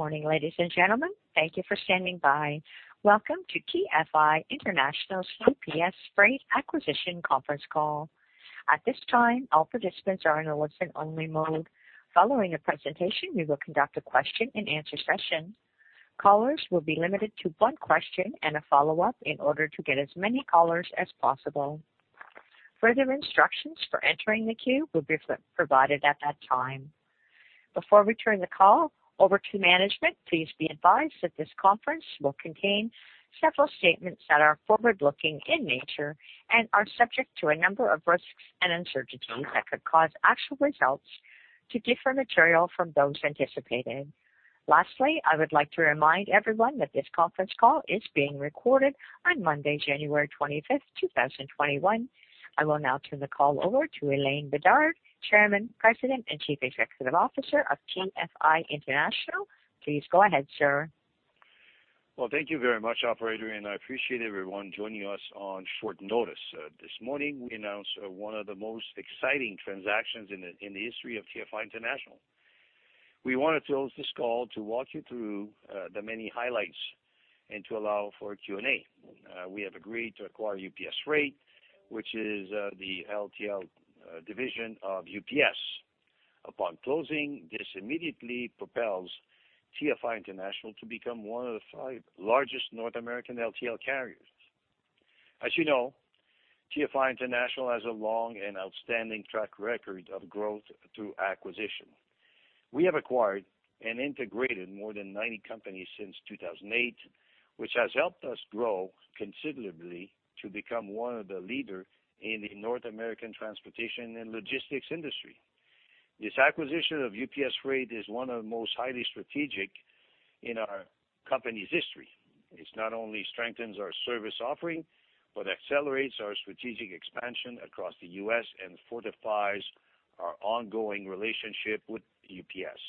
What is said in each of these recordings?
Good morning, ladies and gentlemen. Thank you for standing by. Welcome to TFI International's UPS Freight Acquisition conference call. At this time, all participants are in a listen-only mode. Following the presentation, we will conduct a question and answer session. Callers will be limited to one question and a follow-up in order to get as many callers as possible. Further instructions for entering the queue will be provided at that time. Before we turn the call over to management, please be advised that this conference will contain several statements that are forward-looking in nature and are subject to a number of risks and uncertainties that could cause actual results to differ material from those anticipated. Lastly, I would like to remind everyone that this conference call is being recorded on Monday, January 25th, 2021. I will now turn the call over to Alain Bédard, Chairman, President, and Chief Executive Officer of TFI International. Please go ahead, sir. Well, thank you very much, operator. I appreciate everyone joining us on short notice. This morning, we announced one of the most exciting transactions in the history of TFI International. We wanted to host this call to walk you through the many highlights and to allow for a Q&A. We have agreed to acquire UPS Freight, which is the LTL division of UPS. Upon closing, this immediately propels TFI International to become one of the five largest North American LTL carriers. As you know, TFI International has a long and outstanding track record of growth through acquisition. We have acquired and integrated more than 90 companies since 2008, which has helped us grow considerably to become one of the leaders in the North American transportation and logistics industry. This acquisition of UPS Freight is one of the most highly strategic in our company's history. It not only strengthens our service offering but accelerates our strategic expansion across the U.S. and fortifies our ongoing relationship with UPS.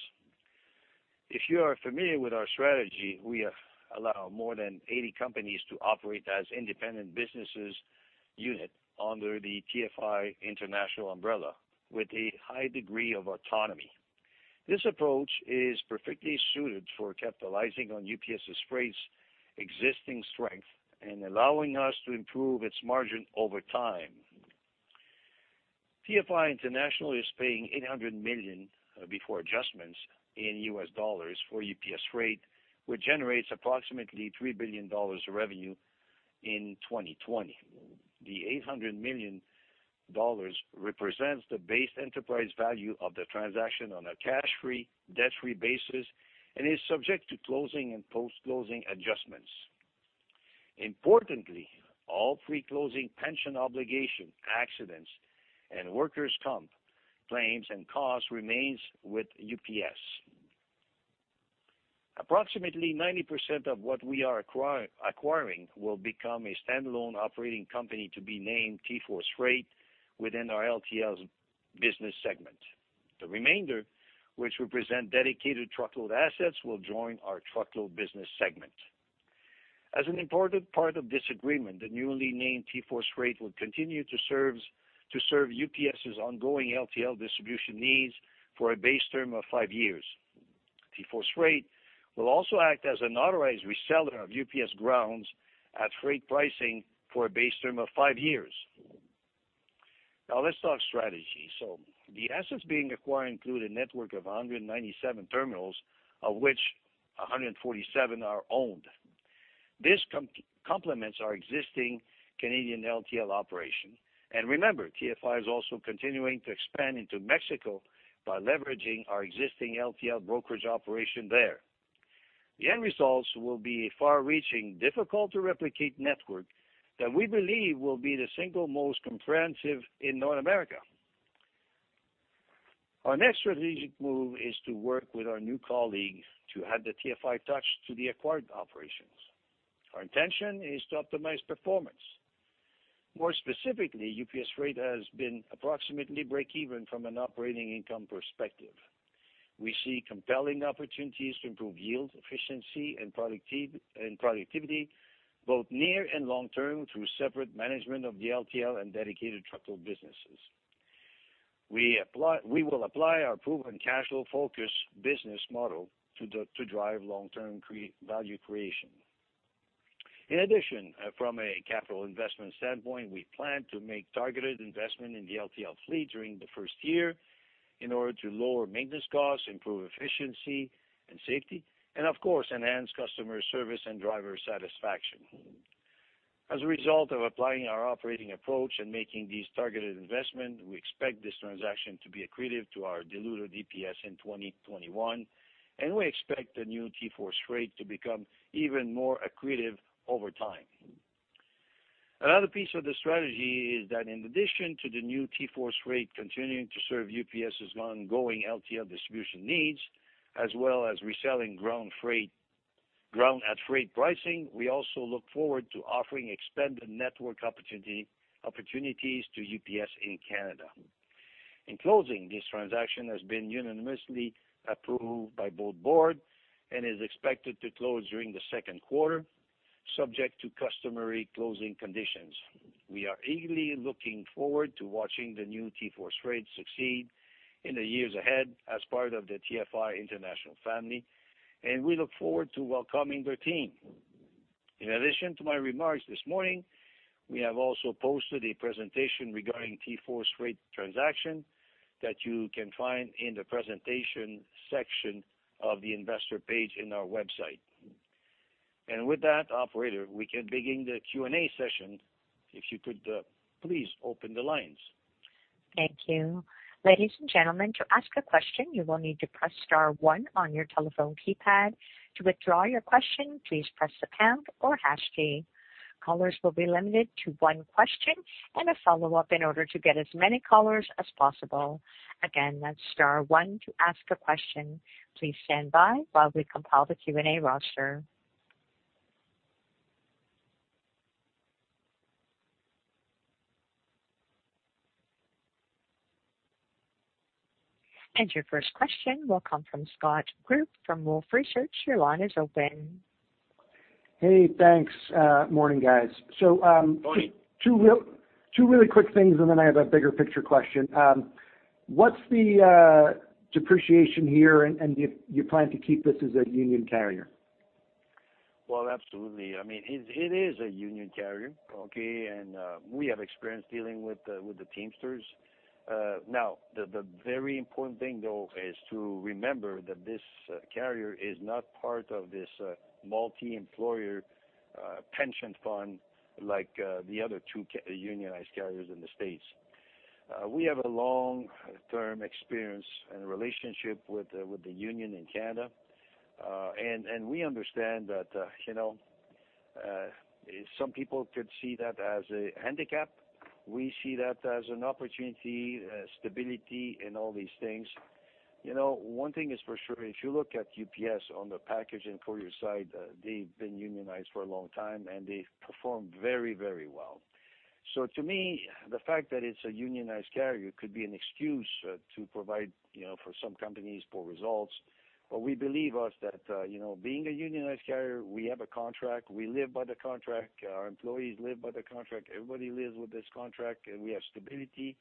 If you are familiar with our strategy, we allow more than 80 companies to operate as independent business units under the TFI International umbrella with a high degree of autonomy. This approach is perfectly suited for capitalizing on UPS Freight's existing strength and allowing us to improve its margin over time. TFI International is paying 800 million before adjustments in U.S. dollars for UPS Freight, which generates approximately 3 billion dollars of revenue in 2020. The 800 million dollars represents the base enterprise value of the transaction on a cash-free, debt-free basis and is subject to closing and post-closing adjustments. Importantly, all pre-closing pension obligation accidents and workers' comp claims and costs remain with UPS. Approximately 90% of what we are acquiring will become a standalone operating company to be named TForce Freight within our LTL business segment. The remainder, which represent dedicated truckload assets, will join our truckload business segment. As an important part of this agreement, the newly named TForce Freight will continue to serve UPS's ongoing LTL distribution needs for a base term of five years. TForce Freight will also act as an authorized reseller of UPS Ground at freight pricing for a base term of five years. Let's talk strategy. The assets being acquired include a network of 197 terminals, of which 147 are owned. This complements our existing Canadian LTL operation. Remember, TFI is also continuing to expand into Mexico by leveraging our existing LTL brokerage operation there. The end results will be a far-reaching, difficult-to-replicate network that we believe will be the single most comprehensive in North America. Our next strategic move is to work with our new colleagues to add the TFI touch to the acquired operations. Our intention is to optimize performance. More specifically, UPS Freight has been approximately break-even from an operating income perspective. We see compelling opportunities to improve yield, efficiency, and productivity, both near and long-term, through separate management of the LTL and dedicated truckload businesses. We will apply our proven cash flow-focused business model to drive long-term value creation. In addition, from a capital investment standpoint, we plan to make targeted investment in the LTL fleet during the first year in order to lower maintenance costs, improve efficiency and safety, and of course, enhance customer service and driver satisfaction. As a result of applying our operating approach and making these targeted investments, we expect this transaction to be accretive to our diluted EPS in 2021, and we expect the new TForce Freight to become even more accretive over time. Another piece of the strategy is that in addition to the new TForce Freight continuing to serve UPS's ongoing LTL distribution needs, as well as reselling ground at freight pricing, we also look forward to offering expanded network opportunities to UPS in Canada. In closing, this transaction has been unanimously approved by both boards and is expected to close during the second quarter. Subject to customary closing conditions. We are eagerly looking forward to watching the new TForce Freight succeed in the years ahead as part of the TFI International family, and we look forward to welcoming their team. In addition to my remarks this morning, we have also posted a presentation regarding TForce Freight transaction that you can find in the presentation section of the investor page in our website. With that, operator, we can begin the Q&A session. If you could please open the lines. Thank you. Ladies and gentlemen, to ask a question, you will need to press star one on your telephone keypad. To withdraw your question, please press the pound or hash key. Callers will be limited to one question and a follow-up in order to get as many callers as possible. Again, that's star one to ask a question. Please stand by while we compile the Q&A roster. And your first question will come from Scott Group from Wolfe Research. Your line is open. Hey, thanks. Morning, guys. Morning. Just two really quick things, and then I have a bigger picture question. What's the depreciation here, and do you plan to keep this as a union carrier? Well, absolutely. It is a union carrier, okay? We have experience dealing with the Teamsters. The very important thing, though, is to remember that this carrier is not part of this multi-employer pension fund like the other two unionized carriers in the U.S. We have a long-term experience and relationship with the union in Canada. We understand that some people could see that as a handicap. We see that as an opportunity, stability, and all these things. One thing is for sure, if you look at UPS on the Package and Courier side, they've been unionized for a long time, and they've performed very well. To me, the fact that it's a unionized carrier could be an excuse to provide for some companies poor results. We believe us that being a unionized carrier, we have a contract, we live by the contract, our employees live by the contract, everybody lives with this contract, and we have stability.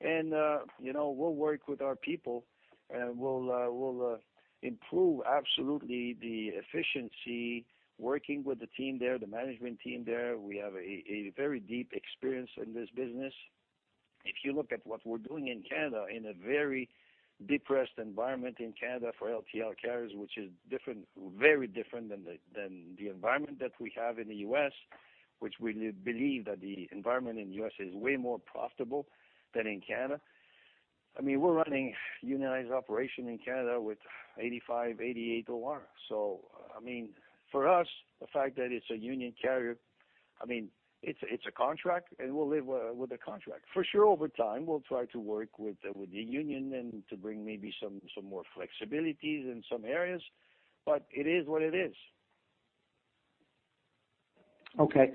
We'll work with our people, and we'll improve absolutely the efficiency working with the team there, the management team there. We have a very deep experience in this business. If you look at what we're doing in Canada, in a very depressed environment in Canada for LTL carriers, which is very different than the environment that we have in the U.S., which we believe that the environment in the U.S. is way more profitable than in Canada. We're running unionized operation in Canada with 85, 88 OR. For us, the fact that it's a union carrier, it's a contract, and we'll live with a contract. For sure, over time, we'll try to work with the union and to bring maybe some more flexibilities in some areas, but it is what it is. Okay.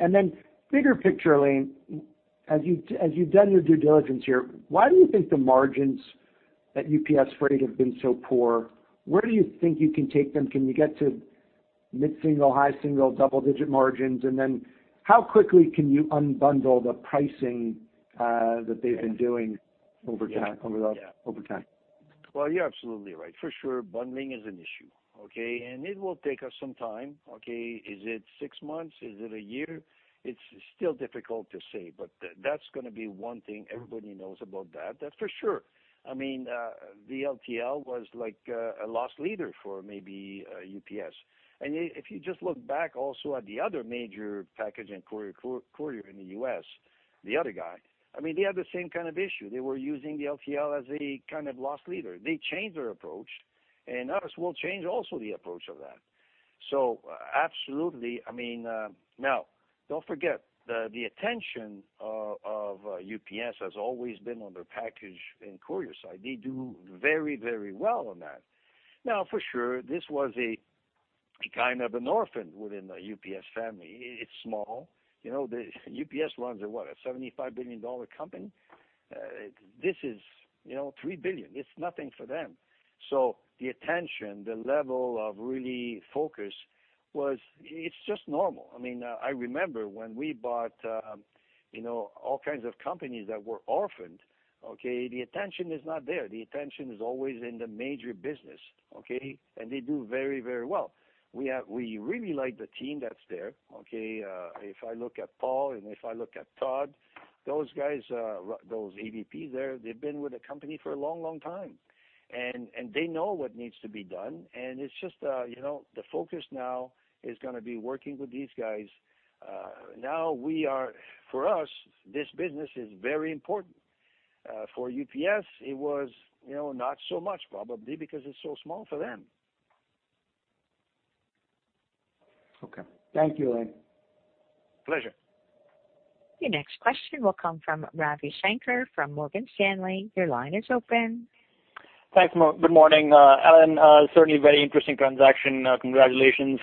Bigger picture, Alain, as you've done your due diligence here, why do you think the margins at UPS Freight have been so poor? Where do you think you can take them? Can you get to mid-single, high single, double-digit margins? How quickly can you unbundle the pricing that they've been doing over time? Well, you're absolutely right. For sure, bundling is an issue. It will take us some time. Is it six months? Is it a year? It's still difficult to say, that's going to be one thing everybody knows about that's for sure. The LTL was like a loss leader for maybe UPS. If you just look back also at the other major Package and Courier in the U.S., the other guy, they had the same kind of issue. They were using the LTL as a kind of loss leader. They changed their approach, us will change also the approach of that. Absolutely. Don't forget, the attention of UPS has always been on the Package and Courier side. They do very well on that. For sure, this was a kind of an orphan within the UPS family. It's small. UPS runs a what? A 75 billion dollar company. This is 3 billion. It's nothing for them. The attention, the level of really focus was just normal. I remember when we bought all kinds of companies that were orphaned, okay? The attention is not there. The attention is always in the major business, okay? They do very well. We really like the team that's there, okay? If I look at Paul and if I look at Todd, those guys, those AVPs there, they've been with the company for a long time. They know what needs to be done, and it's just the focus now is going to be working with these guys. For us, this business is very important. For UPS, it was not so much probably because it's so small for them. Okay. Thank you, Alain. Pleasure. Your next question will come from Ravi Shanker from Morgan Stanley. Your line is open. Thanks. Good morning. Alain, certainly very interesting transaction. Congratulations.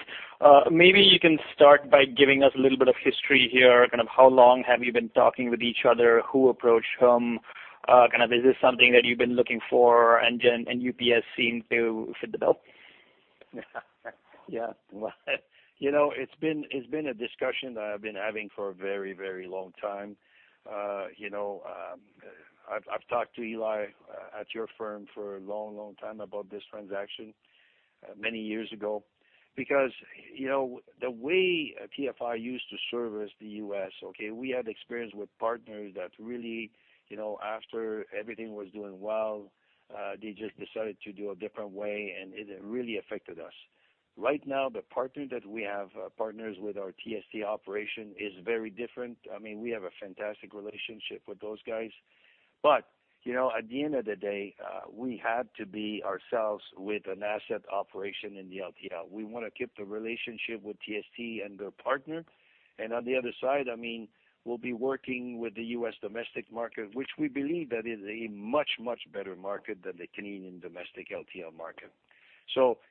Maybe you can start by giving us a little bit of history here, kind of how long have you been talking with each other, who approached whom? Is this something that you've been looking for and UPS seemed to fit the bill? Yeah. Well, it's been a discussion that I've been having for a very long time. I've talked to Eli at your firm for a long time about this transaction many years ago, because the way TFI used to service the U.S., okay, we had experience with partners that really after everything was doing well, they just decided to do a different way, and it really affected us. Right now, the partners that we have partners with our TST operation is very different. We have a fantastic relationship with those guys. At the end of the day, we had to be ourselves with an asset operation in the LTL. We want to keep the relationship with TST and their partner. On the other side, we'll be working with the U.S. domestic market, which we believe that is a much better market than the Canadian domestic LTL market.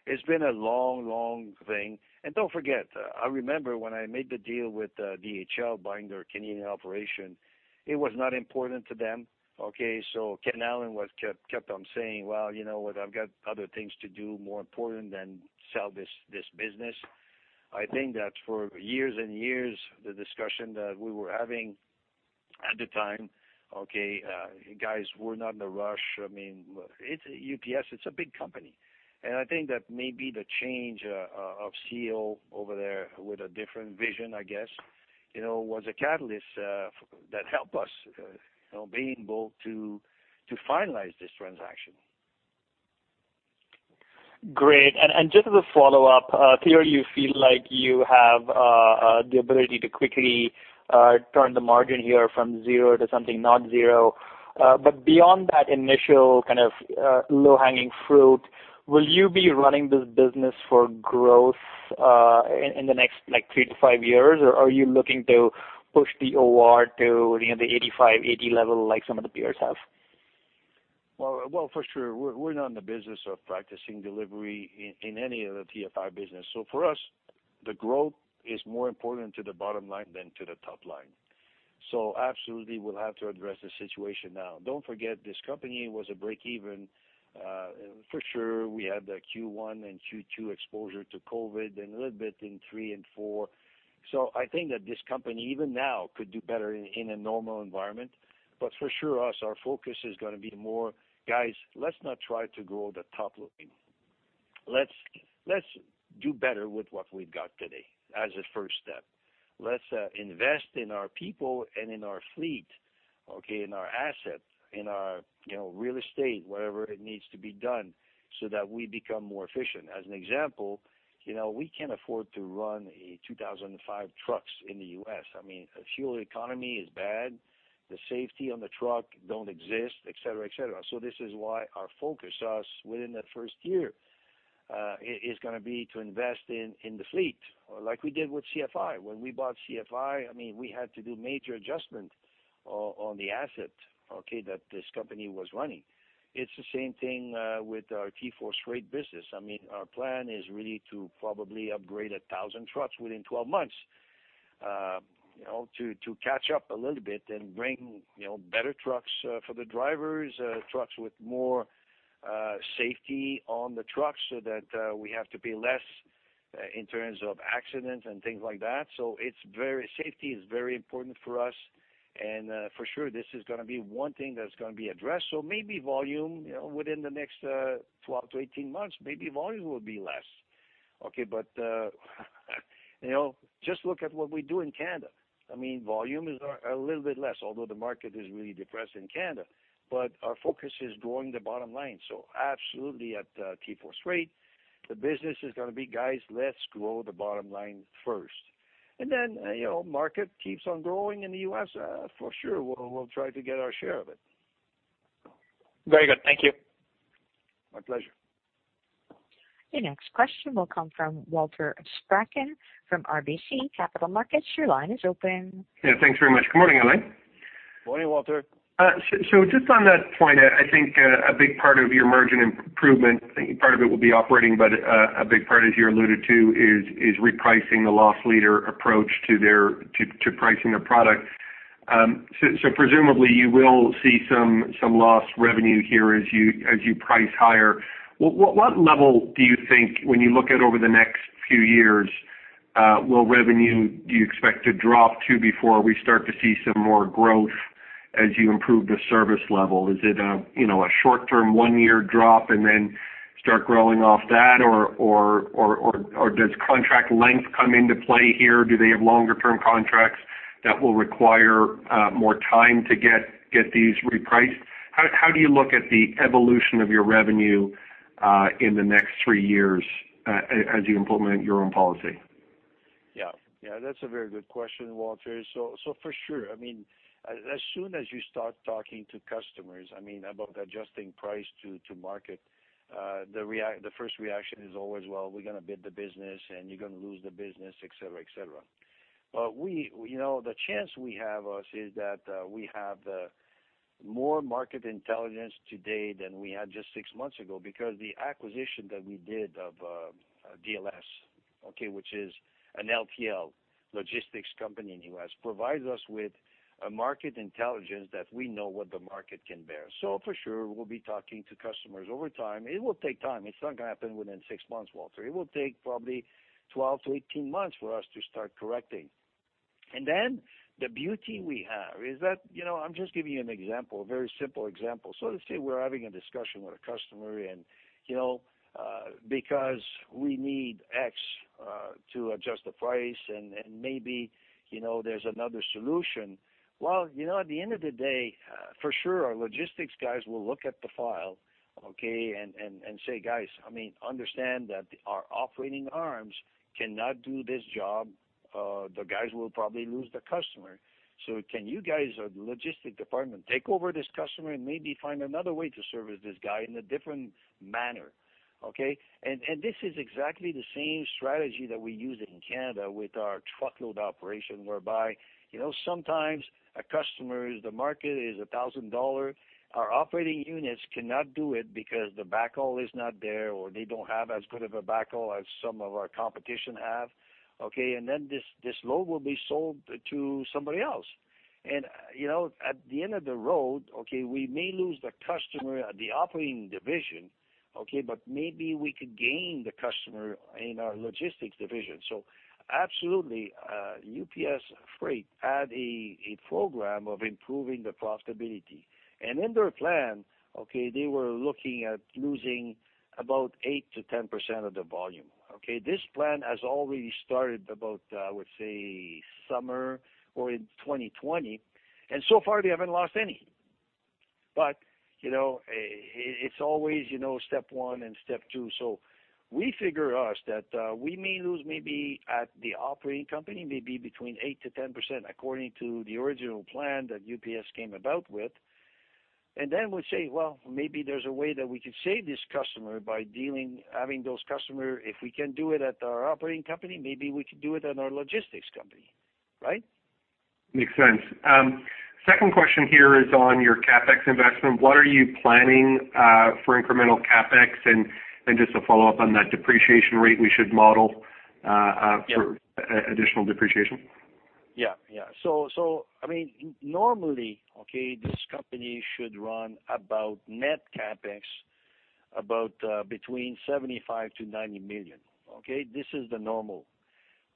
It's been a long thing. Don't forget, I remember when I made the deal with DHL buying their Canadian operation, it was not important to them, okay? Ken Allen kept on saying, "Well, you know what? I've got other things to do more important than sell this business." I think that for years and years, the discussion that we were having at the time, okay, guys, we're not in a rush. UPS, it's a big company, and I think that maybe the change of CEO over there with a different vision, I guess, was a catalyst that helped us be able to finalize this transaction. Great. Just as a follow-up, [Pierre], you feel like you have the ability to quickly turn the margin here from zero to something not zero. Beyond that initial low-hanging fruit, will you be running this business for growth in the next three to five years, or are you looking to push the OR to the 85, 80 level like some of the peers have? Well, for sure. We're not in the business of practicing delivery in any of the TFI business. For us, the growth is more important to the bottom line than to the top line. Absolutely, we'll have to address the situation now. Don't forget, this company was a break-even. For sure, we had the Q1 and Q2 exposure to COVID and a little bit in three and four. I think that this company, even now, could do better in a normal environment. For sure us, our focus is going to be more, "Guys, let's not try to grow the top line. Let's do better with what we've got today as a first step. Let's invest in our people and in our fleet, okay, in our asset, in our real estate, whatever it needs to be done so that we become more efficient." As an example, we can't afford to run a 2005 trucks in the U.S. Fuel economy is bad. The safety on the truck don't exist, et cetera. This is why our focus, us, within that first year is going to be to invest in the fleet, like we did with CFI. When we bought CFI, we had to do major adjustment on the asset, okay, that this company was running. It's the same thing with our TForce Freight business. Our plan is really to probably upgrade 1,000 trucks within 12 months to catch up a little bit and bring better trucks for the drivers, trucks with more safety on the trucks so that we have to pay less in terms of accidents and things like that. Safety is very important for us. For sure, this is going to be one thing that's going to be addressed. Maybe volume within the next 12 to 18 months, maybe volume will be less. Okay, but just look at what we do in Canada. Volume is a little bit less, although the market is really depressed in Canada, but our focus is growing the bottom line. absolutely at TForce Freight, the business is going to be, "Guys, let's grow the bottom line first." market keeps on growing in the U.S., for sure, we'll try to get our share of it. Very good. Thank you. My pleasure. Your next question will come from Walter Spracklin from RBC Capital Markets. Your line is open. Yeah, thanks very much. Good morning, El. Morning, Walter. just on that point, I think a big part of your margin improvement, part of it will be operating, but a big part, as you alluded to, is repricing the loss leader approach to pricing their product. presumably, you will see some lost revenue here as you price higher. What level do you think when you look at over the next few years will revenue do you expect to drop to before we start to see some more growth as you improve the service level? Is it a short-term one-year drop and then start growing off that, or does contract length come into play here? Do they have longer-term contracts that will require more time to get these repriced? How do you look at the evolution of your revenue in the next three years as you implement your own policy? Yeah. That's a very good question, Walter. For sure. As soon as you start talking to customers about adjusting price to market, the first reaction is always, "Well, we're going to bid the business, and you're going to lose the business," et cetera. The chance we have is that we have more market intelligence today than we had just six months ago because the acquisition that we did of DLS, which is an LTL logistics company in the U.S., provides us with a market intelligence that we know what the market can bear. For sure, we'll be talking to customers over time. It will take time. It's not going to happen within six months, Walter. It will take probably 12 to 18 months for us to start correcting. Then the beauty we have is that, I'm just giving you an example, a very simple example. Let's say we're having a discussion with a customer and because we need X to adjust the price and maybe there's another solution. Well, at the end of the day, for sure, our logistics guys will look at the file, okay, and say, "Guys, understand that our operating arms cannot do this job. The guys will probably lose the customer. So can you guys, our logistic department, take over this customer and maybe find another way to service this guy in a different manner?" Okay. This is exactly the same strategy that we use in Canada with our truckload operation, whereby sometimes a customer is the market is 1,000 dollar. Our operating units cannot do it because the backhaul is not there, or they don't have as good of a backhaul as some of our competition have, okay? this load will be sold to somebody else. at the end of the road, okay, we may lose the customer at the operating division, okay, but maybe we could gain the customer in our logistics division. absolutely, UPS Freight had a program of improving the profitability. in their plan, okay, they were looking at losing about 8%-10% of the volume. Okay, this plan has already started about, I would say, summer or in 2020, and so far they haven't lost any. it's always step one and step two. we figure us that we may lose maybe at the operating company, maybe between 8%-10% according to the original plan that UPS came about with. we'll say, "Well, maybe there's a way that we could save this customer by dealing, having those customer, if we can do it at our operating company, maybe we could do it at our logistics company," right? Makes sense. Second question here is on your CapEx investment. What are you planning for incremental CapEx? Just to follow up on that depreciation rate we should model for additional depreciation. Yeah. normally, okay, this company should run about net CapEx about between 75-90 million, okay? This is the normal.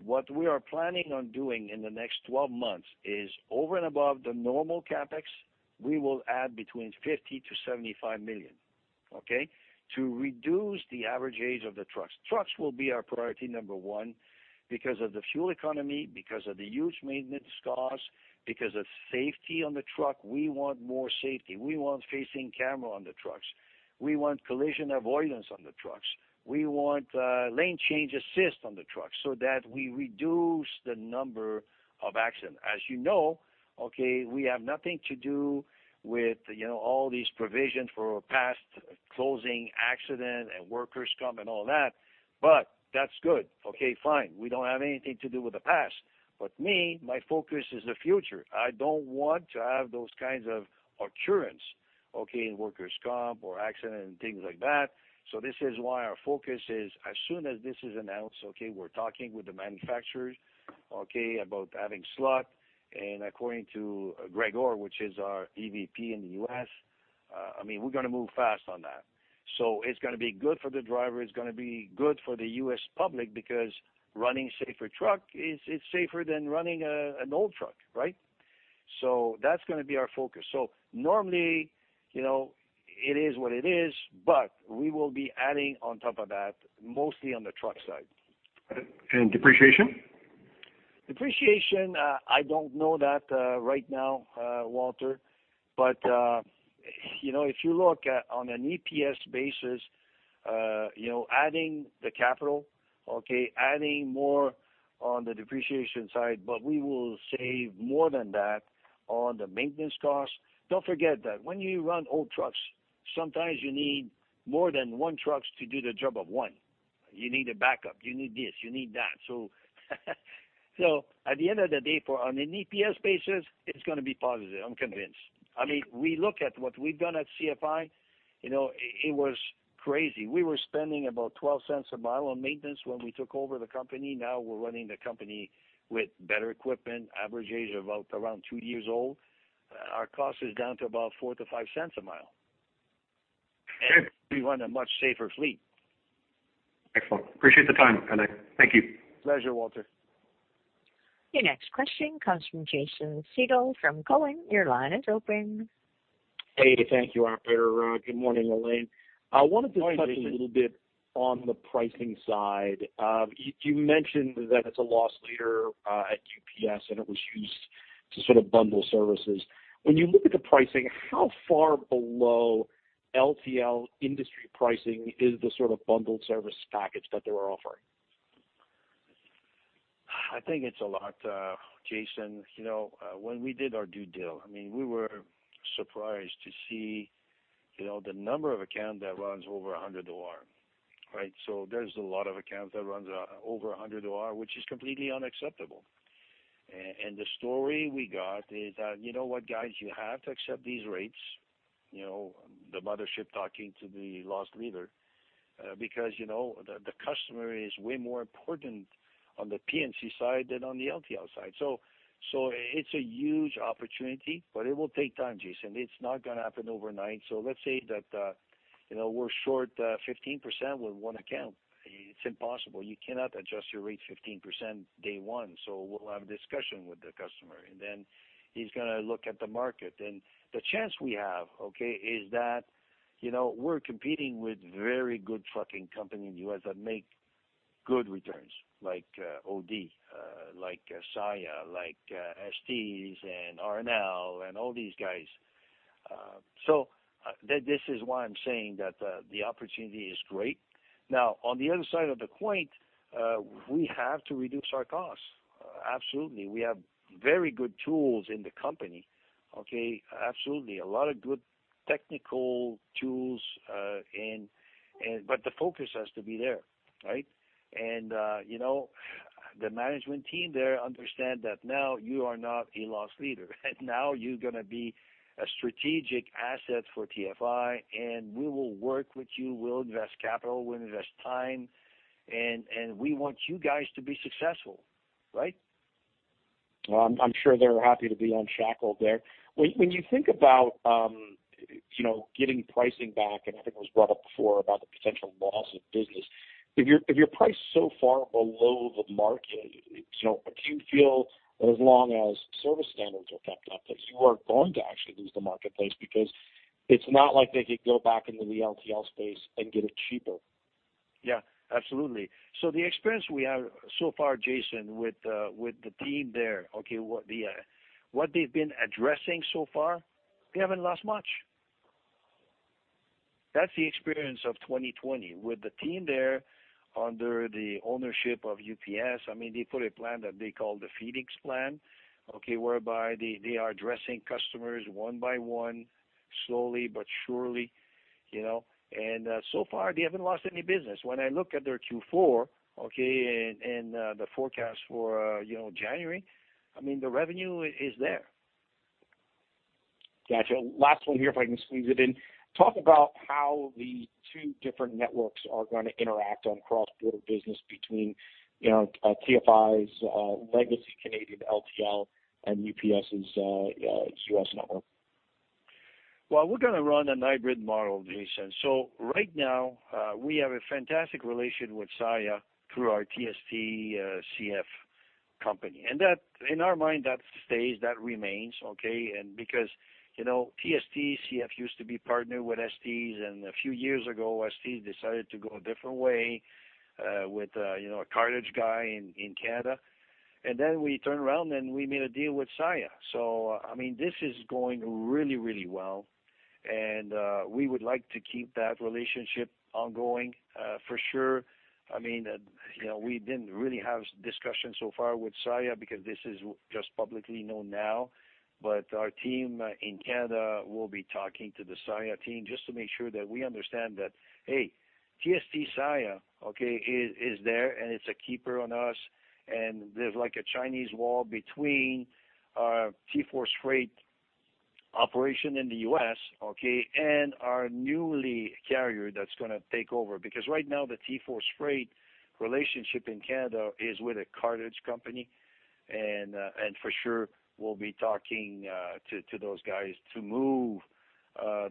What we are planning on doing in the next 12 months is over and above the normal CapEx, we will add between 50-75 million, okay, to reduce the average age of the trucks. Trucks will be our priority number one because of the fuel economy, because of the huge maintenance cost, because of safety on the truck. We want more safety. We want facing camera on the trucks. We want collision avoidance on the trucks. We want lane change assist on the trucks so that we reduce the number of accidents. As you know, okay, we have nothing to do with all these provisions for past closing accident and workers' comp and all that, but that's good. Okay, fine. We don't have anything to do with the past, but me, my focus is the future. I don't want to have those kinds of occurrence, okay, in workers' comp or accident and things like that. This is why our focus is as soon as this is announced, okay, we're talking with the manufacturers, okay, about having slot and according to Greg Orr, which is our EVP in the U.S., we're going to move fast on that. It's going to be good for the driver. It's going to be good for the U.S. public because running safer truck is safer than running an old truck, right? That's going to be our focus. Normally, it is what it is, but we will be adding on top of that, mostly on the truck side. depreciation? Depreciation, I don't know that right now, Walter. If you look at on an EPS basis, adding the capital, okay, adding more on the depreciation side, but we will save more than that on the maintenance cost. Don't forget that when you run old trucks, sometimes you need more than one trucks to do the job of one. You need a backup. You need this, you need that. At the end of the day, on an EPS basis, it's going to be positive, I'm convinced. We look at what we've done at CFI. It was crazy. We were spending about 0.12 a mile on maintenance when we took over the company. Now we're running the company with better equipment, average age of about around two years old. Our cost is down to about 0.04-0.05 a mile. Okay. We run a much safer fleet. Excellent. Appreciate the time, Alain. Thank you. Pleasure, Walter. Your next question comes from Jason Seidl from Cowen. Your line is open. Hey. Thank you, operator. Good morning, Alain. Morning, Jason. I wanted to touch a little bit on the pricing side. You mentioned that it's a loss leader at UPS, and it was used to sort of bundle services. When you look at the pricing, how far below LTL industry pricing is the sort of bundled service package that they were offering? I think it's a lot, Jason. When we did our due diligence, we were surprised to see the number of account that runs over 100 OR, right? There's a lot of accounts that runs over 100 OR, which is completely unacceptable. The story we got is that, you know what, guys? You have to accept these rates, the mothership talking to the loss leader, because the customer is way more important on the P&C side than on the LTL side. It's a huge opportunity, but it will take time, Jason. It's not going to happen overnight. Let's say that we're short 15% with one account. It's impossible. You cannot adjust your rates 15% day one. We'll have a discussion with the customer, and then he's going to look at the market. the chance we have, okay, is that we're competing with very good trucking company in the U.S. that make good returns like OD, like Saia, like Estes and R+L and all these guys. this is why I'm saying that the opportunity is great. Now, on the other side of the coin, we have to reduce our costs. Absolutely. We have very good tools in the company, okay? Absolutely. A lot of good technical tools, but the focus has to be there, right? the management team there understand that now you are not a loss leader. Now you're going to be a strategic asset for TFI, and we will work with you. We'll invest capital, we'll invest time, and we want you guys to be successful. Right? Well, I'm sure they're happy to be unshackled there. When you think about getting pricing back, and I think it was brought up before about the potential loss of business, if your price is so far below the market, do you feel as long as service standards are kept up that you are going to actually lose the marketplace because it's not like they could go back into the LTL space and get it cheaper. Yeah, absolutely. The experience we have so far, Jason, with the team there, okay, what they've been addressing so far, they haven't lost much. That's the experience of 2020 with the team there under the ownership of UPS. They put a plan that they call the Phoenix plan, okay, whereby they are addressing customers one by one, slowly but surely. So far, they haven't lost any business. When I look at their Q4, okay, and the forecast for January, the revenue is there. Got you. Last one here, if I can squeeze it in. Talk about how the two different networks are going to interact on cross-border business between TFI's legacy Canadian LTL and UPS's U.S. network. Well, we're going to run a hybrid model, Jason. Right now, we have a fantastic relation with Saia through our TST-CF company. In our mind, that stays, that remains, okay? Because TST-CF used to be partnered with Estes, and a few years ago, Estes decided to go a different way with a cartage guy in Canada. We turned around, and we made a deal with Saia. This is going really, really well. We would like to keep that relationship ongoing for sure. We didn't really have discussion so far with Saia because this is just publicly known now. Our team in Canada will be talking to the Saia team just to make sure that we understand that, hey, TST-Saia, okay, is there, and it's a keeper on us. There's like a Chinese wall between our TForce Freight operation in the U.S., okay, and our newly carrier that's going to take over. Because right now, the TForce Freight relationship in Canada is with a cartage company, and for sure, we'll be talking to those guys to move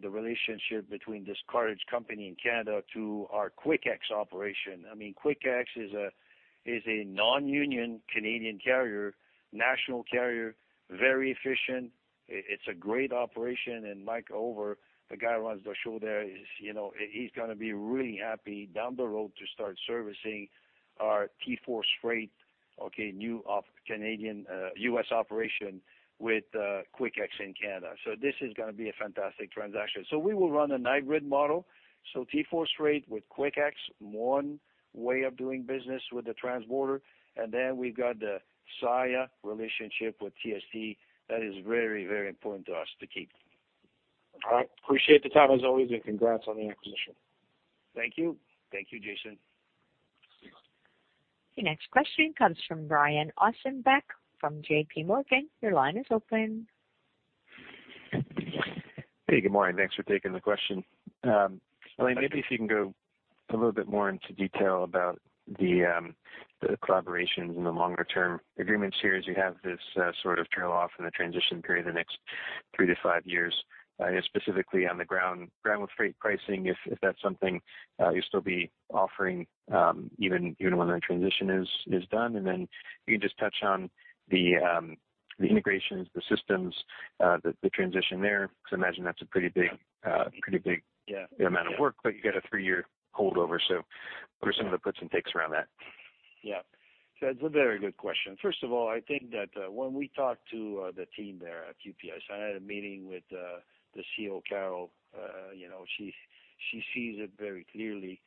the relationship between this cartage company in Canada to our Quik X operation. Quik X is a non-union Canadian carrier, national carrier, very efficient. It's a great operation. Mike Hover, the guy who runs the show there is, he's going to be really happy down the road to start servicing our TForce Freight, okay, new U.S. operation with Quik X in Canada. This is going to be a fantastic transaction. We will run a hybrid model. TForce Freight with Quik X, one way of doing business with the trans border. We've got the Saia relationship with TST. That is very, very important to us to keep. All right. Appreciate the time as always, and congrats on the acquisition. Thank you. Thank you, Jason. Your next question comes from Brian Ossenbeck from JPMorgan. Your line is open. Hey, good morning. Thanks for taking the question. Alain, maybe if you can go a little bit more into detail about the collaborations and the longer-term agreements here as you have this sort of trail off in the transition period the next three to five years, specifically on the ground with freight pricing, if that's something you'll still be offering even when the transition is done. If you can just touch on the integrations, the systems, the transition there, because I imagine that's a pretty big. Yeah amount of work, but you get a three-year holdover. What are some of the puts and takes around that? Yeah. That's a very good question. First of all, I think that when we talk to the team there at UPS, I had a meeting with the COO, Carol. She sees it very clearly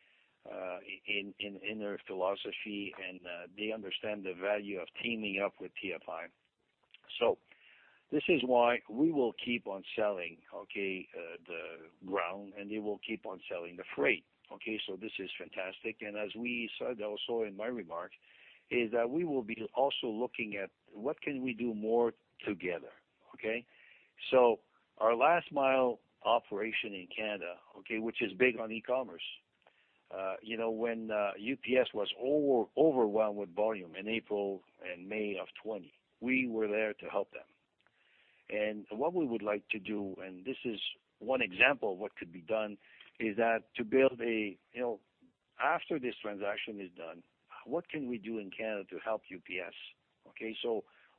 in her philosophy, and they understand the value of teaming up with TFI. This is why we will keep on selling the ground, and they will keep on selling the freight. This is fantastic. As we saw, that was also in my remarks, is that we will be also looking at what can we do more together. Our last mile operation in Canada, which is big on e-commerce. When UPS was overwhelmed with volume in April and May of 2020, we were there to help them. what we would like to do, and this is one example of what could be done, After this transaction is done, what can we do in Canada to help UPS?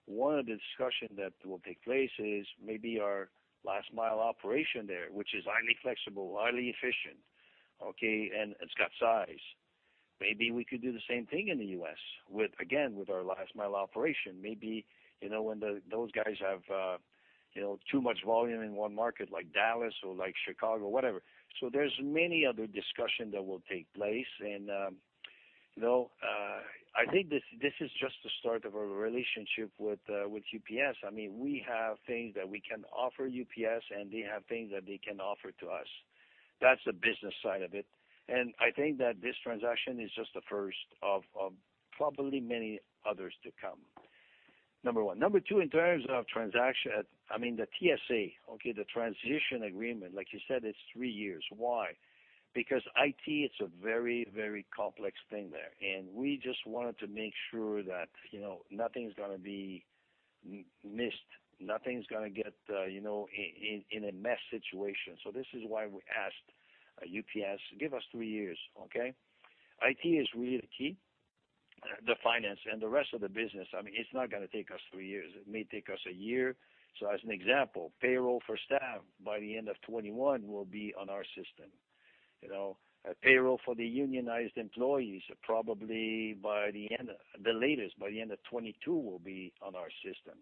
one of the discussion that will take place is maybe our last mile operation there, which is highly flexible, highly efficient, and it's got size. Maybe we could do the same thing in the U.S., again, with our last mile operation. Maybe when those guys have too much volume in one market like Dallas or like Chicago, whatever. there's many other discussion that will take place, and I think this is just the start of a relationship with UPS. We have things that we can offer UPS, and they have things that they can offer to us. That's the business side of it. I think that this transaction is just the first of probably many others to come. Number one. Number two, in terms of transaction, the TSA. The transition agreement, like you said, it's three years. Why? Because IT, it's a very, very complex thing there, and we just wanted to make sure that nothing's going to be missed. Nothing's going to get in a mess situation. This is why we asked UPS, give us three years. IT is really the key. The finance and the rest of the business, it's not going to take us three years. It may take us a year. As an example, payroll for staff by the end of 2021 will be on our system. Payroll for the unionized employees, probably the latest by the end of 2022 will be on our system.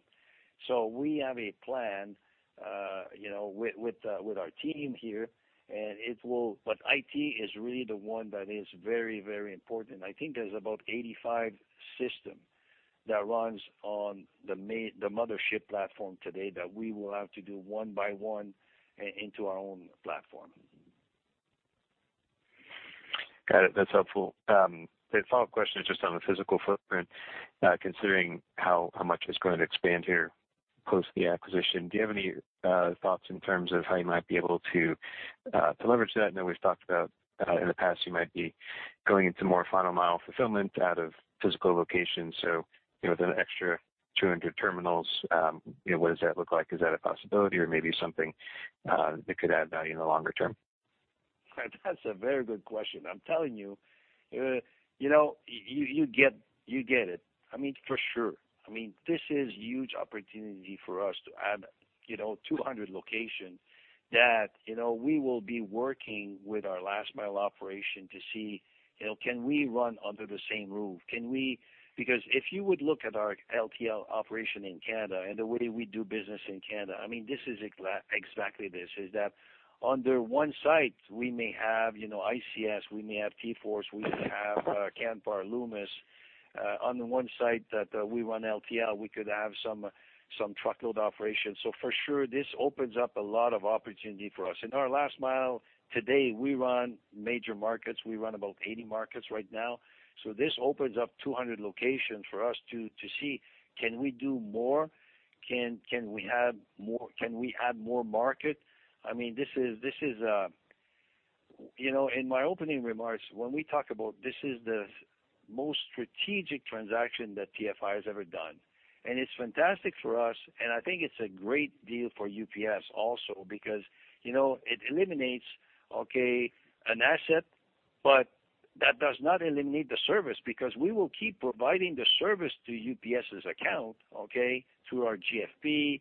We have a plan with our team here, but IT is really the one that is very, very important. I think there's about 85 system that runs on the mothership platform today that we will have to do one by one into our own platform. Got it. That's helpful. The follow-up question is just on the physical footprint, considering how much it's going to expand here close to the acquisition. Do you have any thoughts in terms of how you might be able to leverage that? I know we've talked about in the past you might be going into more final mile fulfillment out of physical locations. The extra 200 terminals, what does that look like? Is that a possibility or maybe something that could add value in the longer term? That's a very good question. I'm telling you. You get it. For sure. This is huge opportunity for us to add 200 location that we will be working with our last mile operation to see, can we run under the same roof? Because if you would look at our LTL operation in Canada and the way we do business in Canada, this is exactly this. Is that under one site, we may have ICS, we may have TForce, we may have Canpar, Loomis. On the one site that we run LTL, we could have some truckload operations. For sure, this opens up a lot of opportunity for us. In our last mile today, we run major markets. We run about 80 markets right now. This opens up 200 locations for us to see, can we do more? Can we add more market? In my opening remarks, when we talk about this is the most strategic transaction that TFI has ever done, and it's fantastic for us, and I think it's a great deal for UPS also because it eliminates an asset, but that does not eliminate the service because we will keep providing the service to UPS's account through our GFP,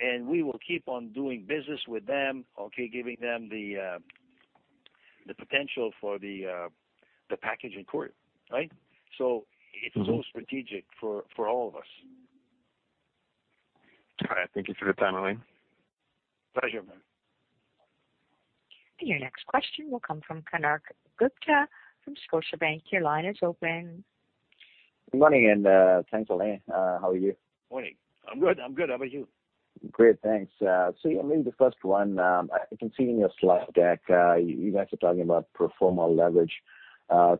and we will keep on doing business with them, giving them the potential for the package in court. It's all strategic for all of us. All right. Thank you for your time, Alain. Pleasure. Your next question will come from Konark Gupta from Scotiabank. Your line is open. Good morning, and thanks, Alain. How are you? Morning. I'm good. How about you? Great, thanks. Maybe the first one, I can see in your slide deck, you guys are talking about pro forma leverage,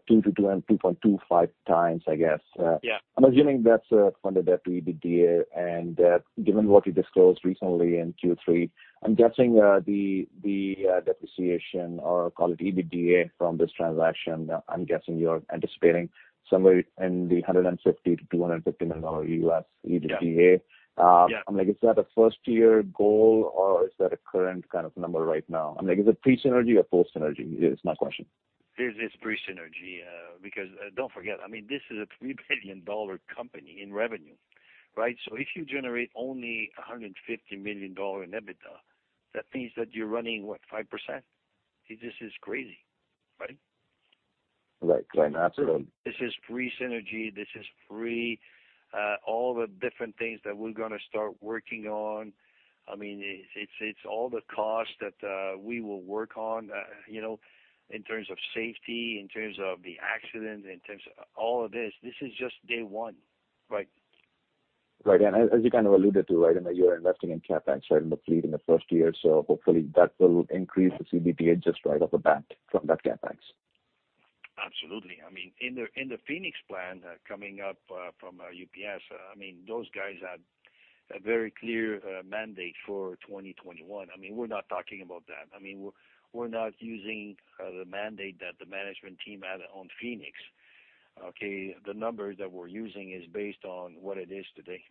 two to two and 2.25x, I guess. Yeah. I'm assuming that's funded debt to EBITDA, and given what you disclosed recently in Q3, I'm guessing the depreciation or call it EBITDA from this transaction, I'm guessing you're anticipating somewhere in the $150 million-$250 million US EBITDA. Yeah. Is that a first-year goal or is that a current kind of number right now? Is it pre-synergy or post-synergy is my question. This is pre-synergy. Don't forget, this is a 3 billion dollar company in revenue. If you generate only $150 million in EBITDA, that means that you're running, what, 5%? This is crazy. Right. Absolutely. This is pre-synergy. This is all the different things that we're going to start working on. It's all the costs that we will work on in terms of safety, in terms of the accidents, in terms of all of this. This is just day one. Right. As you alluded to, I know you're investing in CapEx in the fleet in the first year, so hopefully that will increase the EBITDA just right off the bat from that CapEx. Absolutely. In the Phoenix plan coming up from UPS, those guys had a very clear mandate for 2021. We're not talking about that. We're not using the mandate that the management team had on Phoenix. The numbers that we're using is based on what it is today.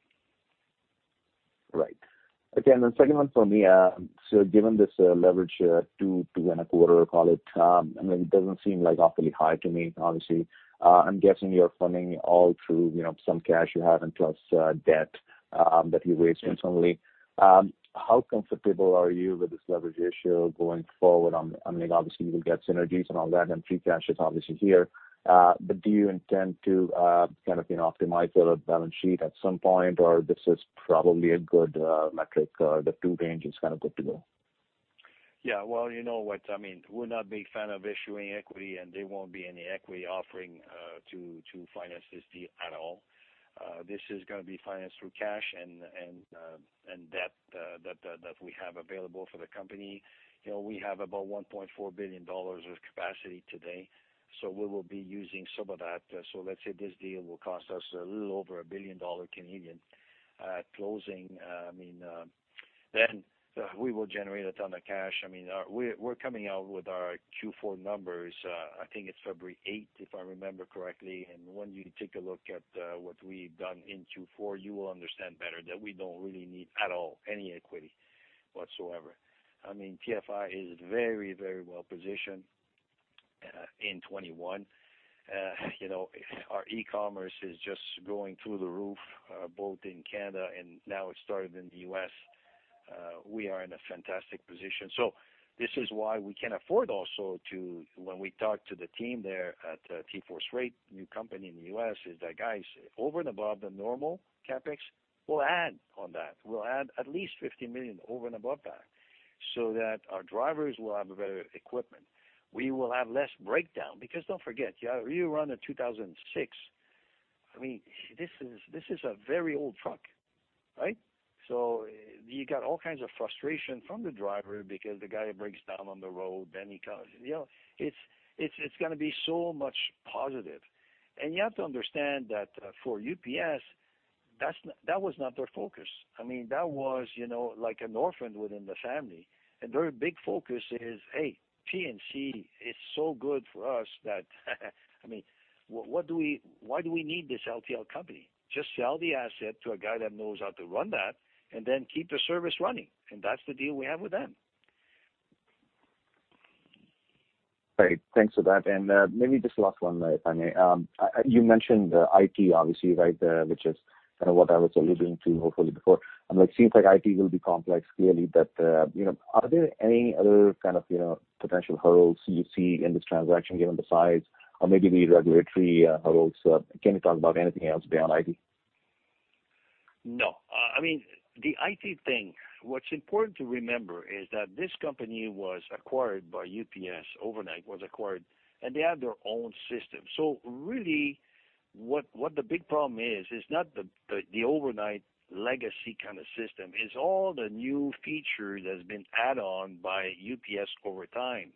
Right. Okay. Second one for me. Given this leverage two and a quarter, call it doesn't seem awfully high to me, obviously. I'm guessing you're funding all through some cash you have and plus debt that you raised internally. How comfortable are you with this leverage ratio going forward? Obviously, you will get synergies and all that, and free cash is obviously here. Do you intend to optimize your balance sheet at some point, or this is probably a good metric, the two range is good to go? Yeah. Well, you know what, we're not a big fan of issuing equity, and there won't be any equity offering to finance this deal at all. This is going to be financed through cash and debt that we have available for the company. We have about 1.4 billion dollars of capacity today. We will be using some of that. Let's say this deal will cost us a little over a billion dollar Canadian at closing. We will generate a ton of cash. We're coming out with our Q4 numbers. I think it's February 8th, if I remember correctly. When you take a look at what we've done in Q4, you will understand better that we don't really need at all any equity whatsoever. TFI is very well positioned in 2021. Our e-commerce is just going through the roof both in Canada and now it's started in the U.S. We are in a fantastic position. This is why we can afford also to, when we talk to the team there at TForce Freight, new company in the U.S., is that guys over and above the normal CapEx, we'll add on that. We'll add at least 50 million over and above that so that our drivers will have better equipment. We will have less breakdown because don't forget, you run a 2006. This is a very old truck. You got all kinds of frustration from the driver because the guy breaks down on the road, then he comes. It's going to be so much positive. You have to understand that for UPS, that was not their focus. That was like an orphan within the family. Their big focus is, "Hey, P&C is so good for us that why do we need this LTL company? Just sell the asset to a guy that knows how to run that and then keep the service running." That's the deal we have with them. Great. Thanks for that. Maybe just the last one, if I may. You mentioned the IT, obviously. Which is what I was alluding to hopefully before. It seems IT will be complex, clearly. Are there any other potential hurdles you see in this transaction given the size or maybe the regulatory hurdles? Can you talk about anything else beyond IT? No. The IT thing, what's important to remember is that this company was acquired by UPS. Overnite was acquired, and they have their own system. Really what the big problem is not the Overnite legacy kind of system. It's all the new features that's been added on by UPS over time.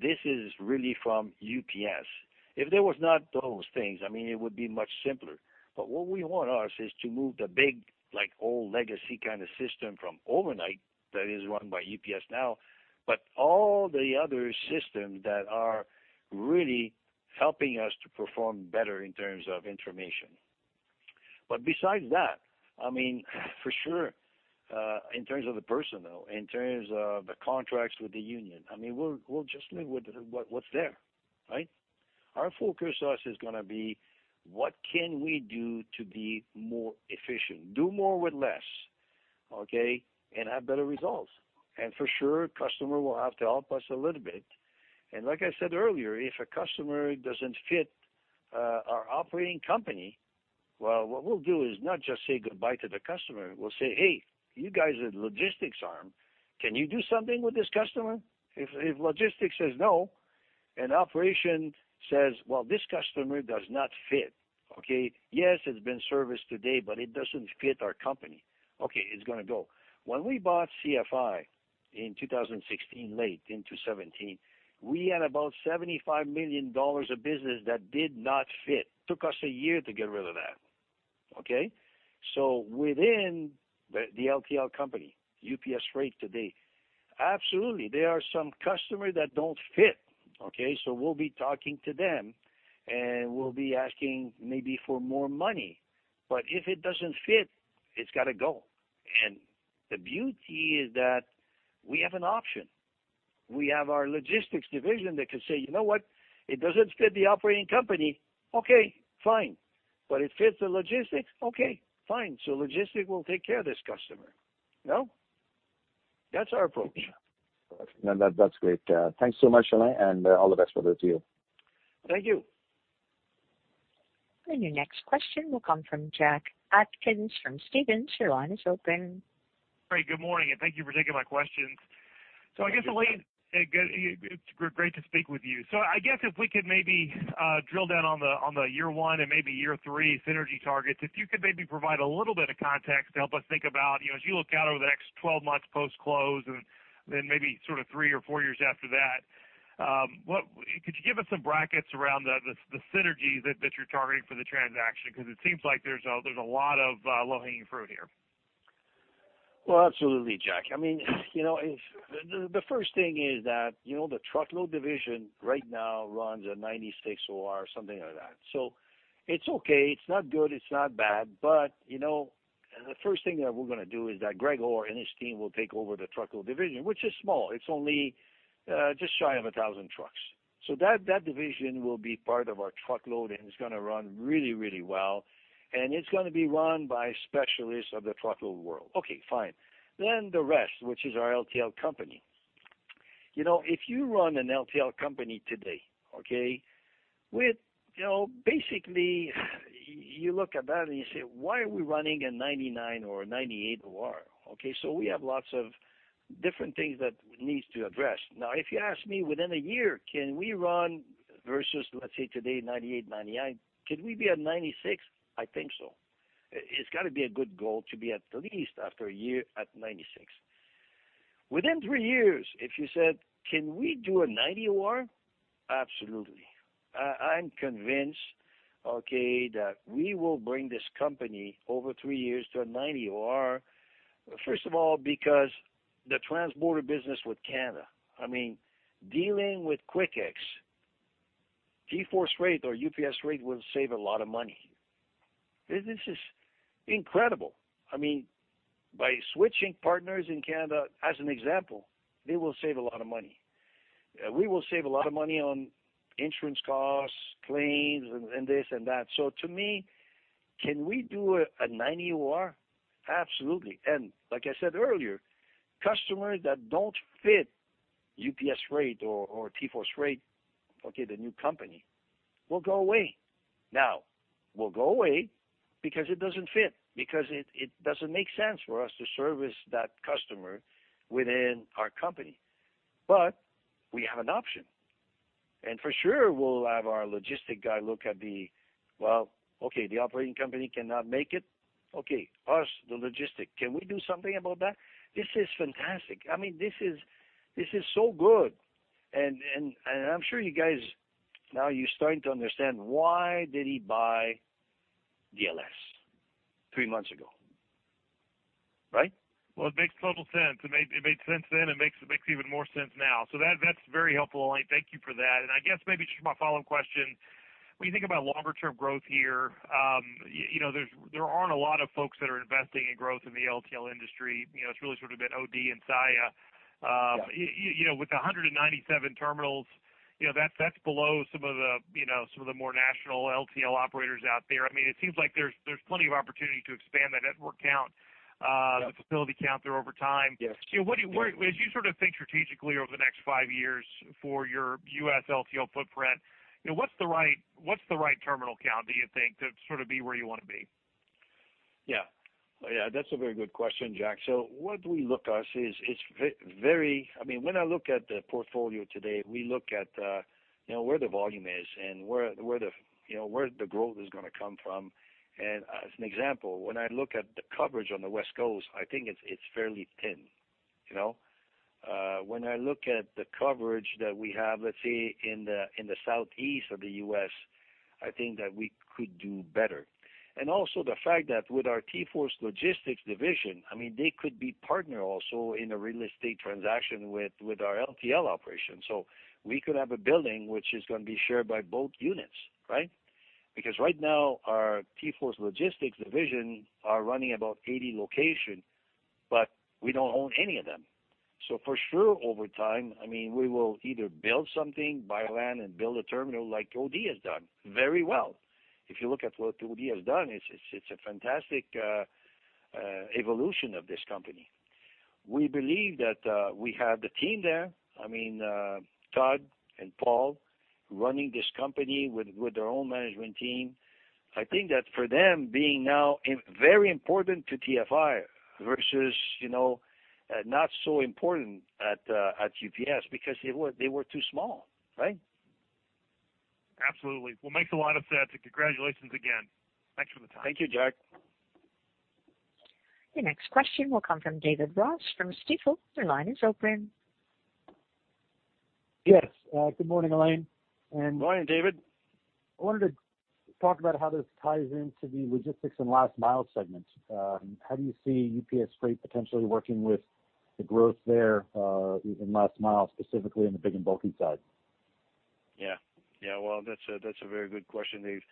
This is really from UPS. If there was not those things, it would be much simpler. What we want ours is to move the big, old legacy kind of system from Overnite that is run by UPS now, but all the other systems that are really helping us to perform better in terms of information. Besides that, for sure, in terms of the personnel, in terms of the contracts with the union, we'll just live with what's there. Our focus to us is going to be what can we do to be more efficient, do more with less, and have better results. For sure, customer will have to help us a little bit. Like I said earlier, if a customer doesn't fit our operating company, well, what we'll do is not just say goodbye to the customer. We'll say, "Hey, you guys are the logistics arm. Can you do something with this customer?" If logistics says no and operation says, "Well, this customer does not fit. Yes, it's been serviced today, but it doesn't fit our company." Okay, it's going to go. When we bought CFI in 2016, late in 2017, we had about 75 million dollars of business that did not fit. Took us a year to get rid of that. within the LTL company, UPS Freight today, absolutely, there are some customers that don't fit. we'll be talking to them, and we'll be asking maybe for more money. if it doesn't fit, it's got to go. the beauty is that we have an option. We have our logistics division that can say, "You know what? It doesn't fit the operating company. Okay, fine. But it fits the logistics. Okay, fine." logistics will take care of this customer. That's our approach. No, that's great. Thanks so much, Alain, and all the best for the two of you. Thank you. Your next question will come from Jack Atkins from Stephens. Your line is open. Great. Good morning, and thank you for taking my questions. I guess, Alain, it's great to speak with you. I guess if we could maybe drill down on the year one and maybe year three synergy targets. If you could maybe provide a little bit of context to help us think about, as you look out over the next 12 months post-close and then maybe sort of three or four years after that, could you give us some brackets around the synergies that you're targeting for the transaction? Because it seems like there's a lot of low-hanging fruit here. Well, absolutely, Jack. I mean, the first thing is that the truckload division right now runs a 96 OR, something like that. It's okay. It's not good. It's not bad. The first thing that we're going to do is that Greg Orr and his team will take over the truckload division, which is small. It's only just shy of 1,000 trucks. That division will be part of our truckload, and it's going to run really well, and it's going to be run by specialists of the truckload world. Okay, fine. The rest, which is our LTL company. If you run an LTL company today, okay, basically, you look at that and you say, "Why are we running a 99 or a 98 OR?" Okay, we have lots of different things that needs to address. Now, if you ask me within a year, can we run versus, let's say, today, 98, 99, could we be at 96? I think so. It's got to be a good goal to be at least after a year at 96. Within three years, if you said, "Can we do a 90 OR?" Absolutely. I'm convinced, okay, that we will bring this company over three years to a 90 OR, first of all, because the transborder business with Canada. I mean, dealing with Quik X, TForce Freight or UPS Freight will save a lot of money. This is incredible. I mean, by switching partners in Canada as an example, they will save a lot of money. We will save a lot of money on insurance costs, claims, and this and that. To me, can we do a 90 OR? Absolutely. like I said earlier, customers that don't fit UPS Freight or TForce Freight, okay, the new company, will go away. Now, will go away because it doesn't fit, because it doesn't make sense for us to service that customer within our company. we have an option, and for sure, we'll have our logistic guy look at the, well, okay, the operating company cannot make it. Okay, us, the logistic, can we do something about that? This is fantastic. I mean, this is so good. I'm sure you guys, now you're starting to understand why did he buy DLS three months ago, right? Well, it makes total sense. It made sense then, and makes even more sense now. That's very helpful, Alain. Thank you for that. I guess maybe just my follow-up question, when you think about longer-term growth here, there aren't a lot of folks that are investing in growth in the LTL industry. It's really sort of been OD and Saia. Yeah. With the 197 terminals, that's below some of the more national LTL operators out there. I mean, it seems like there's plenty of opportunity to expand the network count- Yeah the facility count there over time. Yes. As you sort of think strategically over the next five years for your U.S. LTL footprint, what's the right terminal count, do you think, to sort of be where you want to be? Yeah. That's a very good question, Jack. what we look us is it's very I mean, when I look at the portfolio today, we look at where the volume is and where the growth is going to come from. as an example, when I look at the coverage on the West Coast, I think it's fairly thin. When I look at the coverage that we have, let's say, in the Southeast of the U.S., I think that we could do better. also the fact that with our TForce Logistics division, I mean, they could be partner also in a real estate transaction with our LTL operation. we could have a building which is going to be shared by both units, right? Because right now our TForce Logistics division are running about 80 locations, but we don't own any of them. for sure, over time, I mean, we will either build something, buy land and build a terminal like OD has done very well. If you look at what OD has done, it's a fantastic evolution of this company. We believe that we have the team there. I mean, Todd and Paul running this company with their own management team. I think that for them, being now very important to TFI versus not so important at UPS because they were too small, right? Absolutely. Well, makes a lot of sense. Congratulations again. Thanks for the time. Thank you, Jack. Your next question will come from David Ross from Stifel. Your line is open. Yes. Good morning, Alain. Good morning, David. I wanted to talk about how this ties into the logistics and last mile segments. How do you see UPS Freight potentially working with the growth there in last mile, specifically in the big and bulky side? Yeah. Well, that's a very good question, Dave.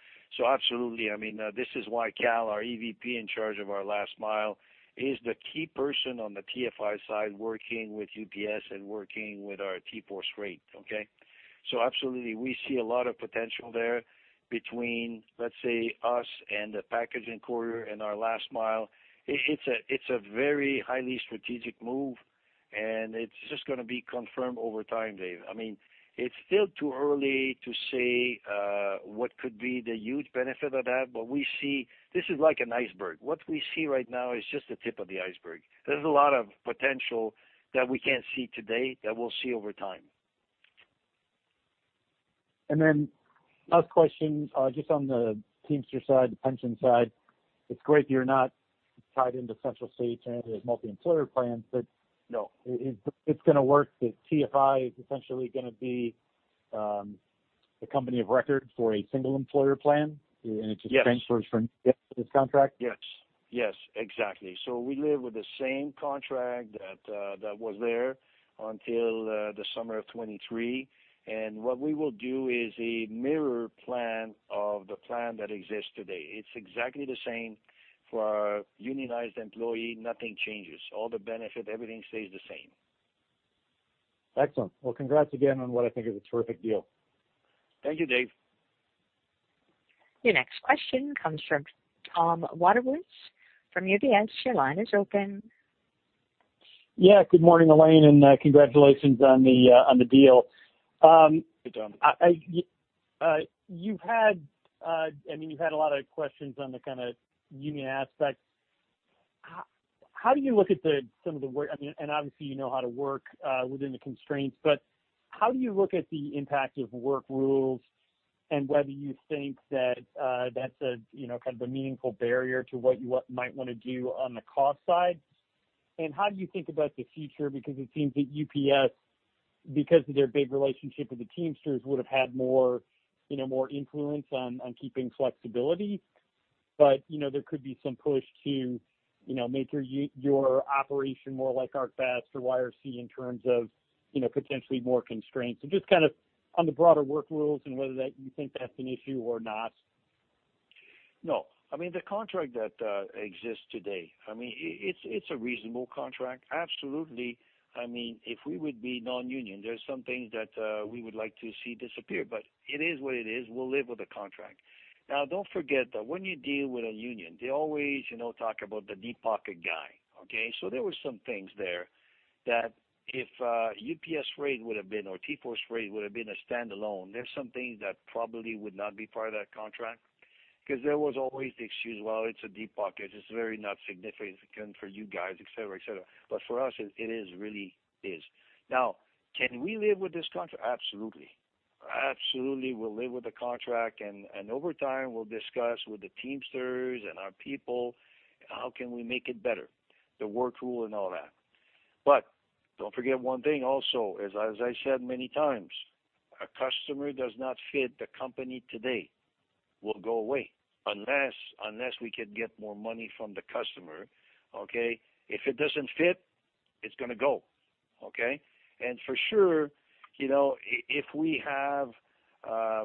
absolutely, I mean, this is why Kal, our EVP in charge of our last mile, is the key person on the TFI side working with UPS and working with our TForce Freight, okay? absolutely, we see a lot of potential there between, let's say, us and the Package and Courier and our last mile. It's a very highly strategic move. it's just going to be confirmed over time, Dave. It's still too early to say what could be the huge benefit of that. This is like an iceberg. What we see right now is just the tip of the iceberg. There's a lot of potential that we can't see today that we'll see over time. last question, just on the Teamster side, the pension side. It's great that you're not tied into Central States or any of those multi-employer plans, but- No it's going to work that TFI is essentially going to be the company of record for a single employer plan Yes it just transfers from this contract? Yes. Exactly. We live with the same contract that was there until the summer of 2023, and what we will do is a mirror plan of the plan that exists today. It's exactly the same for our unionized employee. Nothing changes. All the benefit, everything stays the same. Excellent. Well, congrats again on what I think is a terrific deal. Thank you, Dave. Your next question comes from Tom Wadewitz from UBS. Your line is open. Yeah. Good morning, Alain, and congratulations on the deal. Good Tom. You've had a lot of questions on the kind of union aspect. How do you look at some of the work, and obviously, you know how to work within the constraints, but how do you look at the impact of work rules and whether you think that's a meaningful barrier to what you might want to do on the cost side? How do you think about the future? Because it seems that UPS, because of their big relationship with the Teamsters, would have had more influence on keeping flexibility. There could be some push to make your operation more like ArcBest or YRC in terms of potentially more constraints. Just on the broader work rules and whether that you think that's an issue or not. No. The contract that exists today, it's a reasonable contract. Absolutely, if we would be non-union, there are some things that we would like to see disappear, but it is what it is. We'll live with the contract. Now, don't forget that when you deal with a union, they always talk about the deep pocket guy. Okay? there were some things there that if UPS Freight would have been, or TForce Freight would have been a standalone, there's some things that probably would not be part of that contract because there was always the excuse, "Well, it's a deep pocket. It's very not significant for you guys," et cetera. for us, it is really is. Now, can we live with this contract? Absolutely. Absolutely, we'll live with the contract, and over time, we'll discuss with the Teamsters and our people how can we make it better, the work rule and all that. Don't forget one thing also, as I said many times, a customer does not fit the company today will go away unless we could get more money from the customer. Okay? If it doesn't fit, it's going to go. Okay? For sure, if our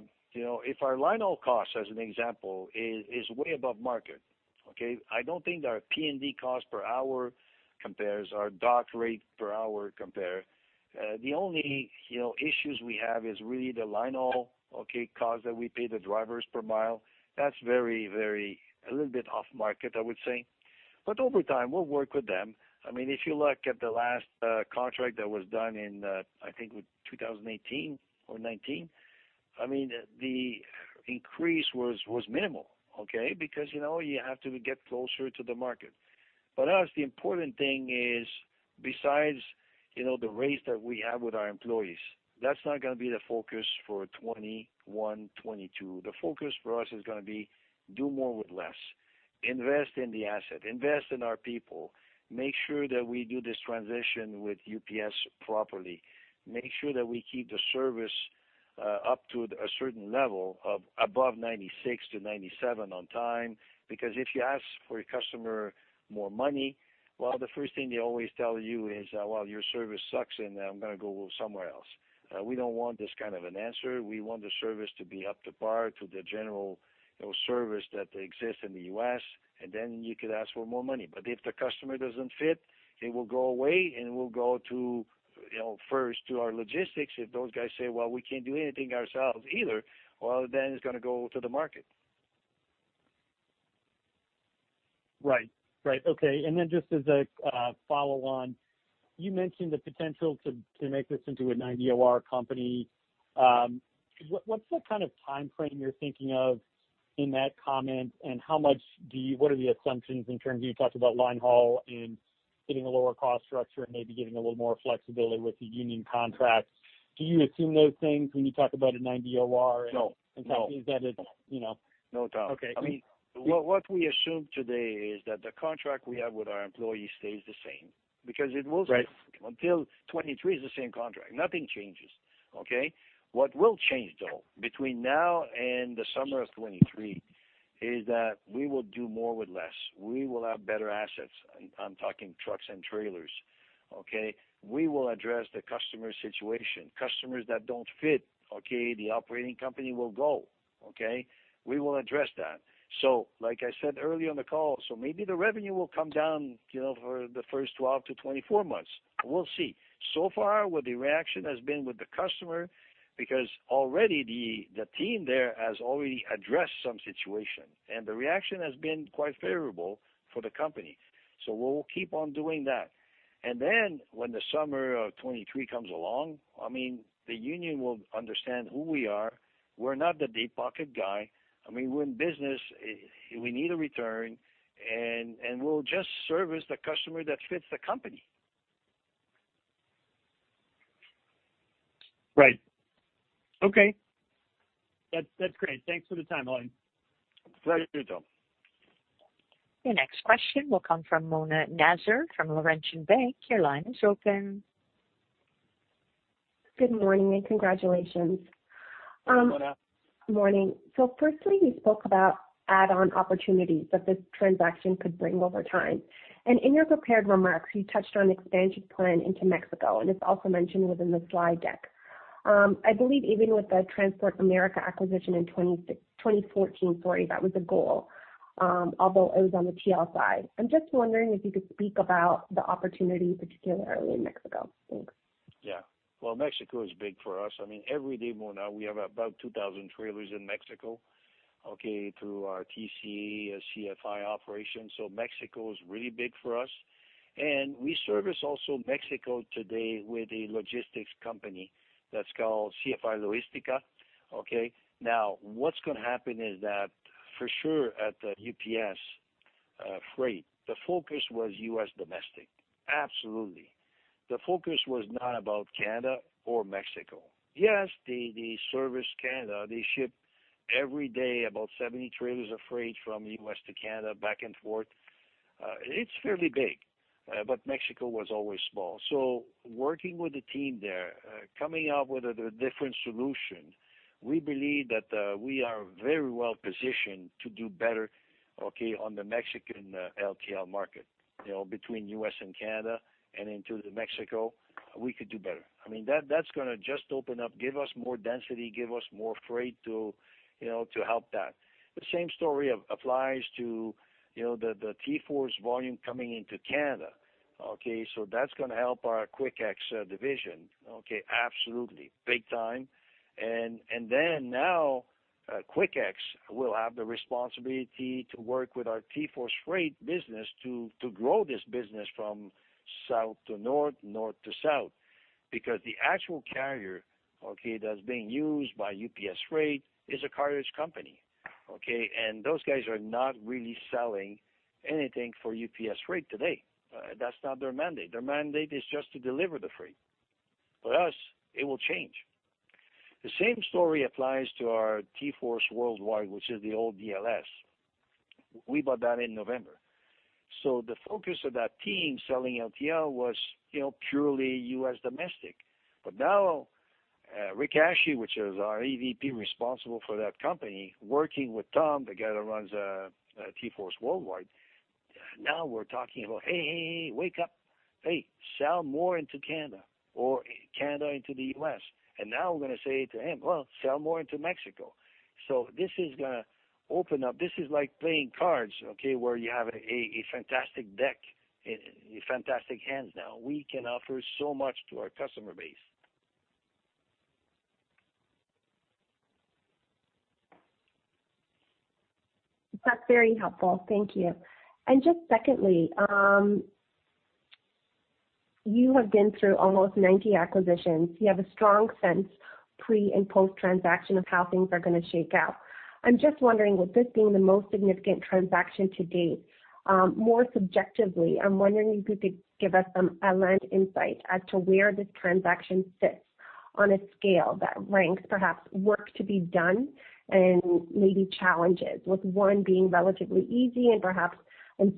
line haul cost, as an example, is way above market, okay, I don't think our P&D cost per hour compares, our dock rate per hour compare. The only issues we have is really the line haul, okay, cost that we pay the drivers per mile. That's very, very, a little bit off market, I would say. Over time, we'll work with them. If you look at the last contract that was done in, I think, 2018 or 2019, the increase was minimal. Okay? Because you have to get closer to the market. For us, the important thing is, besides the rates that we have with our employees, that's not going to be the focus for 2021, 2022. The focus for us is going to be do more with less, invest in the asset, invest in our people, make sure that we do this transition with UPS properly, make sure that we keep the service up to a certain level of above 96 to 97 on time. Because if you ask for a customer more money, well, the first thing they always tell you is, "Well, your service sucks, and I'm going to go somewhere else." We don't want this kind of an answer. We want the service to be up to par to the general service that exists in the U.S., and then you could ask for more money. If the customer doesn't fit, it will go away, and it will go first to our logistics. If those guys say, "Well, we can't do anything ourselves either," well, then it's going to go to the market. Right. Okay. just as a follow-on, you mentioned the potential to make this into a 90 OR company. What's the kind of timeframe you're thinking of in that comment, and what are the assumptions in terms of you talked about line haul and getting a lower cost structure and maybe getting a little more flexibility with the union contract? Do you assume those things when you talk about a 90 OR? No. Is that it? No, Tom. Okay. What we assume today is that the contract we have with our employees stays the same because it will stay Right until 2023 is the same contract. Nothing changes. Okay? What will change, though, between now and the summer of 2023 is that we will do more with less. We will have better assets. I'm talking trucks and trailers. Okay? We will address the customer situation. Customers that don't fit, okay, the operating company will go. Okay? We will address that. Like I said early on the call, so maybe the revenue will come down for the first 12 to 24 months. We'll see. So far what the reaction has been with the customer, because already the team there has already addressed some situation, and the reaction has been quite favorable for the company. We will keep on doing that. When the summer of 2023 comes along, the union will understand who we are. We're not the deep pocket guy. We're in business. We need a return, and we'll just service the customer that fits the company. Right. Okay. That's great. Thanks for the time, Alain. Pleasure, Tom. The next question will come from Mona Nazir from Laurentian Bank. Your line is open. Good morning, and congratulations. Mona. Morning. Firstly, you spoke about add-on opportunities that this transaction could bring over time. In your prepared remarks, you touched on expansion plan into Mexico, and it's also mentioned within the slide deck. I believe even with the Transport America acquisition in 2014, sorry, that was a goal. Although it was on the TL side. I'm just wondering if you could speak about the opportunity, particularly in Mexico. Thanks. Yeah. Well, Mexico is big for us. Every day, Mona, we have about 2,000 trailers in Mexico through our TCA, CFI operation. Mexico is really big for us. We service also Mexico today with a logistics company that's called CFI Logística. Now, what's going to happen is that for sure at UPS Freight, the focus was U.S. domestic. Absolutely. The focus was not about Canada or Mexico. Yes, they service Canada. They ship every day about 70 trailers of freight from the U.S. to Canada, back and forth. It's fairly big. Mexico was always small. Working with the team there, coming up with a different solution, we believe that we are very well-positioned to do better on the Mexican LTL market. Between U.S. and Canada and into Mexico, we could do better. That's going to just open up, give us more density, give us more freight to help that. The same story applies to the TForce volume coming into Canada. That's going to help our Quik X division. Absolutely. Big time. Now Quik X will have the responsibility to work with our TForce Freight business to grow this business from south to north to south. Because the actual carrier that's being used by UPS Freight is a carriage company. Those guys are not really selling anything for UPS Freight today. That's not their mandate. Their mandate is just to deliver the freight. For us, it will change. The same story applies to our TForce Worldwide, which is the old DLS. We bought that in November. The focus of that team selling LTL was purely U.S. domestic. now Rick Hashie, which is our EVP responsible for that company, working with Tom, the guy that runs TForce Worldwide, now we're talking about, "Hey, wake up. Hey, sell more into Canada or Canada into the U.S." now we're going to say to him, "Well, sell more into Mexico." this is going to open up. This is like playing cards, where you have a fantastic deck and fantastic hands now. We can offer so much to our customer base. That's very helpful. Thank you. just secondly, you have been through almost 90 acquisitions. You have a strong sense pre- and post-transaction of how things are going to shake out. I'm just wondering, with this being the most significant transaction to date, more subjectively, I'm wondering if you could give us a lens insight as to where this transaction sits on a scale that ranks perhaps work to be done and maybe challenges with one being relatively easy and perhaps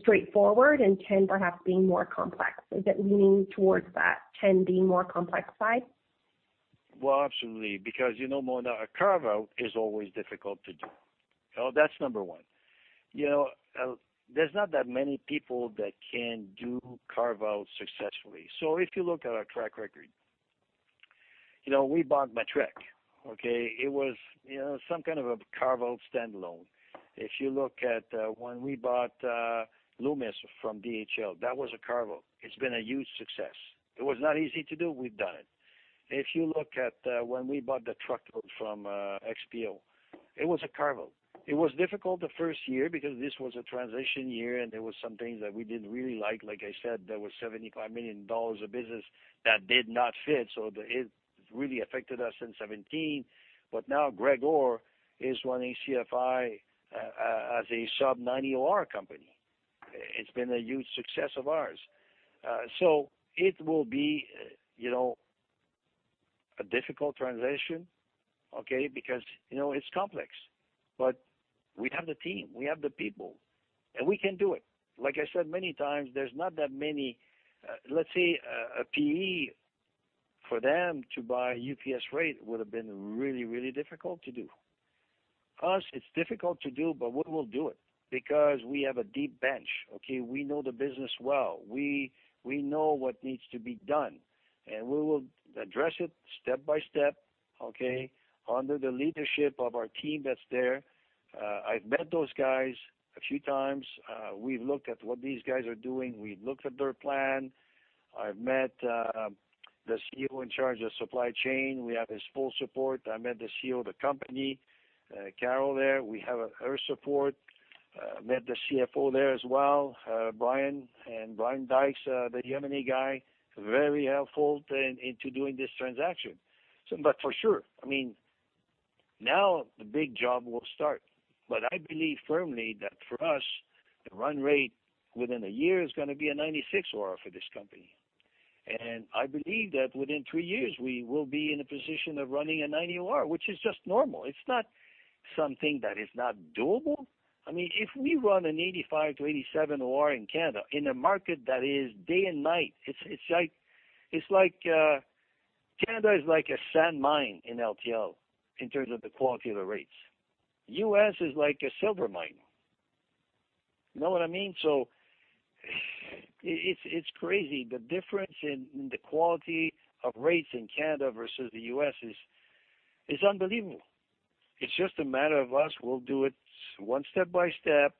straightforward and 10 perhaps being more complex. Is it leaning towards that 10 being more complex side? Well, absolutely. Because, Mona, a carve-out is always difficult to do. That's number one. There's not that many people that can do carve-out successfully. If you look at our track record. We bought Matrec. It was some kind of a carve-out standalone. If you look at when we bought Loomis from DHL, that was a carve-out. It's been a huge success. It was not easy to do. We've done it. If you look at when we bought the truckload from XPO, it was a carve-out. It was difficult the first year because this was a transition year, and there was some things that we didn't really like. Like I said, there was 75 million dollars of business that did not fit, so it really affected us in 2017. Now Greg Orr is running CFI as a sub-90 OR company. It's been a huge success of ours. It will be a difficult transition. Because it's complex. We have the team, we have the people, and we can do it. Like I said many times, there's not that many Let's say a PE for them to buy UPS Freight would have been really difficult to do. Us, it's difficult to do, but we will do it because we have a deep bench. We know the business well. We know what needs to be done, and we will address it step by step under the leadership of our team that's there. I've met those guys a few times. We've looked at what these guys are doing. We looked at their plan. I've met the CEO in charge of supply chain. We have his full support. I met the CEO of the company, Carol there. We have her support. Met the CFO there as well, Brian. Brian Dykes, the Germany guy, very helpful into doing this transaction. for sure, now the big job will start. I believe firmly that for us, the run rate within a year is going to be a 96 OR for this company. I believe that within three years, we will be in a position of running a 90 OR, which is just normal. It's not something that is not doable. If we run an 85-87 OR in Canada, in a market that is day and night. Canada is like a sand mine in LTL, in terms of the quality of the rates. U.S. is like a silver mine. You know what I mean? it's crazy. The difference in the quality of rates in Canada versus the U.S. is unbelievable. It's just a matter of us. We'll do it one step by step.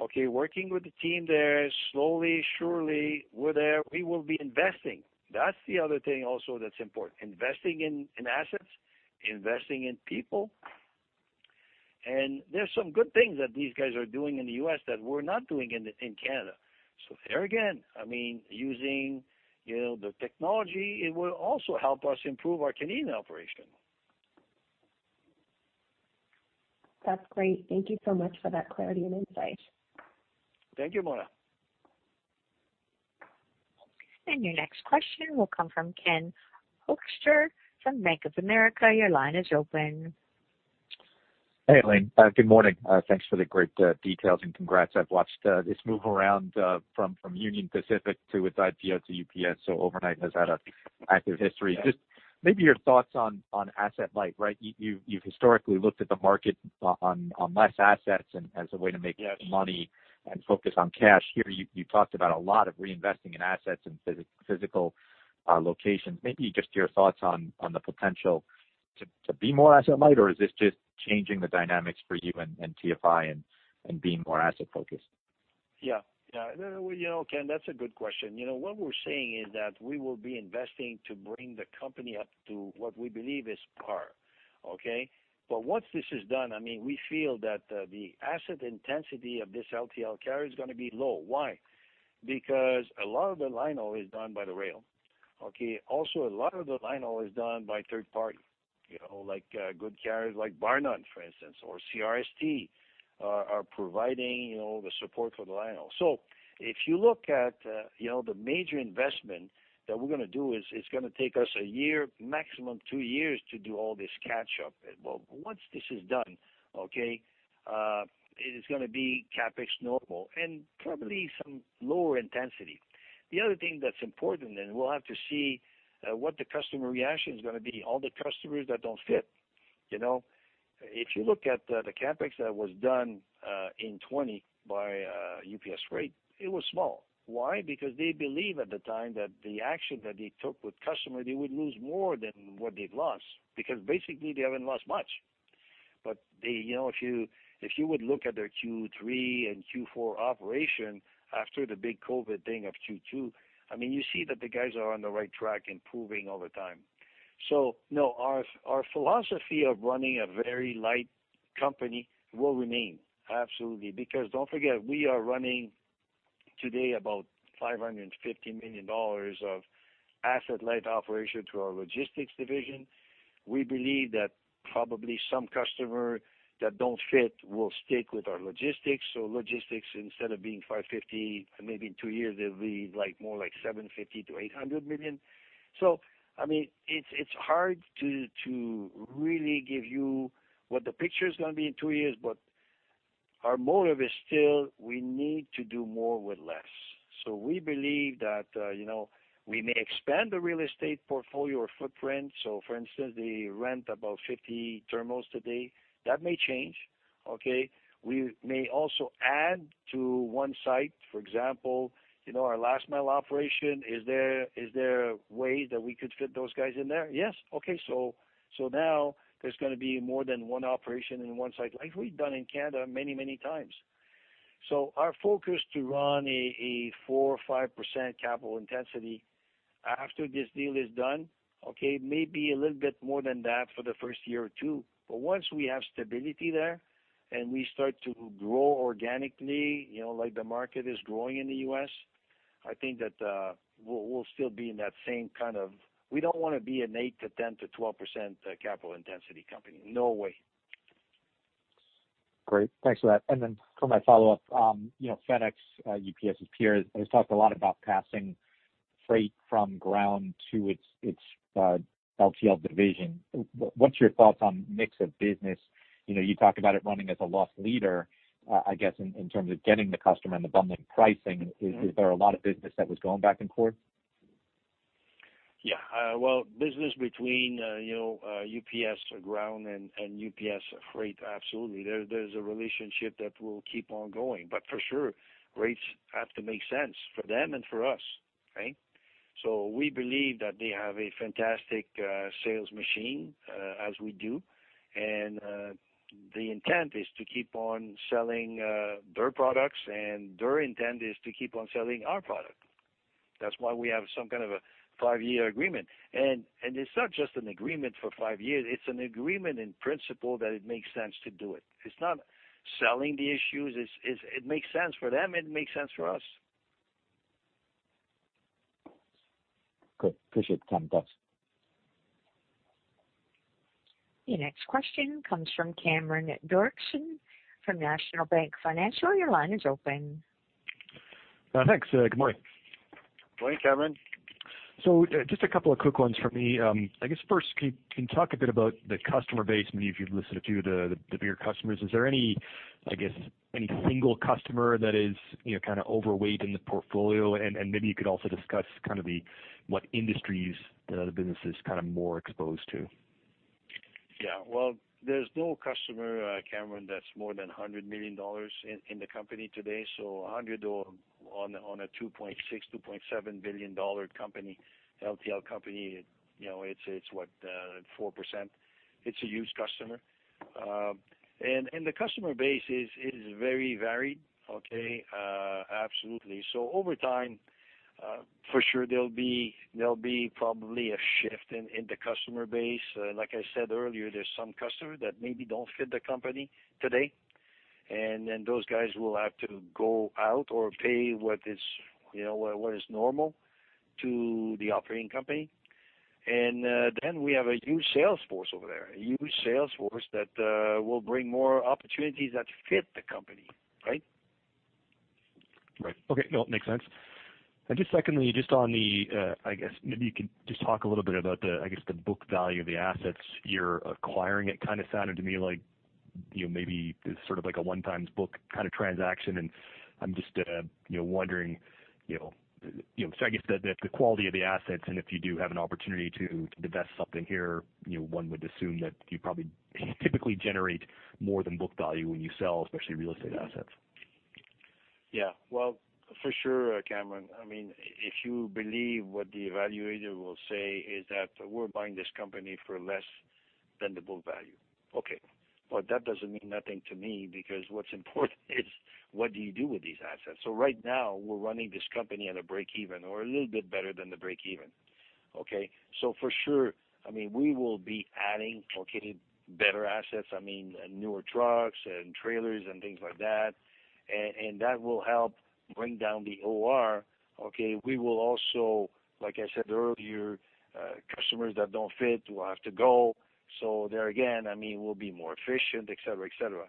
Okay. Working with the team there. Slowly, surely, we will be investing. That's the other thing also that's important. Investing in assets, investing in people. There's some good things that these guys are doing in the U.S. that we're not doing in Canada. There again, using the technology, it will also help us improve our Canadian operation. That's great. Thank you so much for that clarity and insight. Thank you, Mona. Your next question will come from Ken Hoexter from Bank of America. Your line is open. Hey, Alain. Good morning. Thanks for the great details and congrats. I've watched this move around from Union Pacific to with IPO to UPS. Overnite has had an active history. Just maybe your thoughts on asset light. You've historically looked at the market on less assets and as a way to make money and focus on cash. Here, you talked about a lot of reinvesting in assets and physical locations. Maybe just your thoughts on the potential to be more asset light or is this just changing the dynamics for you and TFI and being more asset-focused? Yeah. Ken, that's a good question. What we're saying is that we will be investing to bring the company up to what we believe is par. Okay. Once this is done, we feel that the asset intensity of this LTL carrier is going to be low. Why? Because a lot of the line haul is done by the rail. Okay. Also, a lot of the line haul is done by third party, like good carriers like Barnett, for instance, or CRST are providing the support for the line haul. If you look at the major investment that we're going to do is it's going to take us a year, maximum two years to do all this catch up. Once this is done, okay, it is going to be CapEx normal and probably some lower intensity. The other thing that's important, we'll have to see what the customer reaction is going to be. All the customers that don't fit. If you look at the CapEx that was done in 2020 by UPS Freight, it was small. Why? They believe at the time that the action that they took with customer, they would lose more than what they've lost because basically they haven't lost much. If you would look at their Q3 and Q4 operation after the big COVID thing of Q2, you see that the guys are on the right track improving all the time. No, our philosophy of running a very light company will remain. Absolutely. Don't forget, we are running today about 550 million dollars of asset light operation through our logistics division. We believe that probably some customer that don't fit will stick with our logistics. Logistics, instead of being 550, maybe in two years, they'll be more like 750 million-800 million. It's hard to really give you what the picture is going to be in two years, but our motive is still we need to do more with less. We believe that we may expand the real estate portfolio or footprint. For instance, they rent about 50 terminals today. That may change. Okay. We may also add to one site, for example, our last mile operation. Is there a way that we could fit those guys in there? Yes. Okay. Now there's going to be more than one operation in one site, like we've done in Canada many, many times. Our focus to run a 4%-5% capital intensity after this deal is done, okay, may be a little bit more than that for the first year or two. Once we have stability there and we start to grow organically, like the market is growing in the U.S., I think that we'll still be in that. We don't want to be an 8%-10%-12% capital intensity company. No way. Great. Thanks for that. For my follow-up. FedEx, UPS's peer has talked a lot about passing freight from ground to its LTL division. What's your thoughts on mix of business? You talk about it running as a loss leader, I guess, in terms of getting the customer and the bundling pricing. Is there a lot of business that was going back and forth? Yeah. Well, business between UPS Ground and UPS Freight, absolutely. There's a relationship that will keep on going, but for sure, rates have to make sense for them and for us, right? We believe that they have a fantastic sales machine, as we do. The intent is to keep on selling their products, and their intent is to keep on selling our product. That's why we have some kind of a five-year agreement. It's not just an agreement for five years, it's an agreement in principle that it makes sense to do it. It's not selling the issues. It makes sense for them, and it makes sense for us. Good. Appreciate the comments. Your next question comes from Cameron Doerksen from National Bank Financial. Your line is open. Thanks. Good morning. Morning, Cameron. Just a couple of quick ones for me. I guess first, can you talk a bit about the customer base, maybe if you've listened to the bigger customers, is there any single customer that is kind of overweight in the portfolio? Maybe you could also discuss what industries the other business is more exposed to. Yeah. Well, there's no customer, Cameron, that's more than 100 million dollars in the company today. 100 on a 2.6, 2.7 billion dollar LTL company, it's what? 4%. It's a huge customer. The customer base is very varied, okay? Absolutely. Over time, for sure, there'll be probably a shift in the customer base. Like I said earlier, there's some customers that maybe don't fit the company today, and then those guys will have to go out or pay what is normal to the operating company. We have a huge salesforce over there, a huge salesforce that will bring more opportunities that fit the company. Right? Right. Okay. No, makes sense. just secondly, maybe you could just talk a little bit about the book value of the assets you're acquiring. It kind of sounded to me like maybe it's sort of like a one-times book kind of transaction, and I'm just wondering, so I guess the quality of the assets and if you do have an opportunity to divest something here, one would assume that you probably typically generate more than book value when you sell, especially real estate assets. Yeah. Well, for sure Cameron, if you believe what the evaluator will say is that we're buying this company for less than the book value. Okay. That doesn't mean nothing to me, because what's important is what do you do with these assets? Right now, we're running this company at a break-even or a little bit better than the break-even. Okay. For sure, we will be adding better assets, newer trucks and trailers and things like that, and that will help bring down the OR. We will also, like I said earlier, customers that don't fit will have to go. There again, we'll be more efficient, et cetera.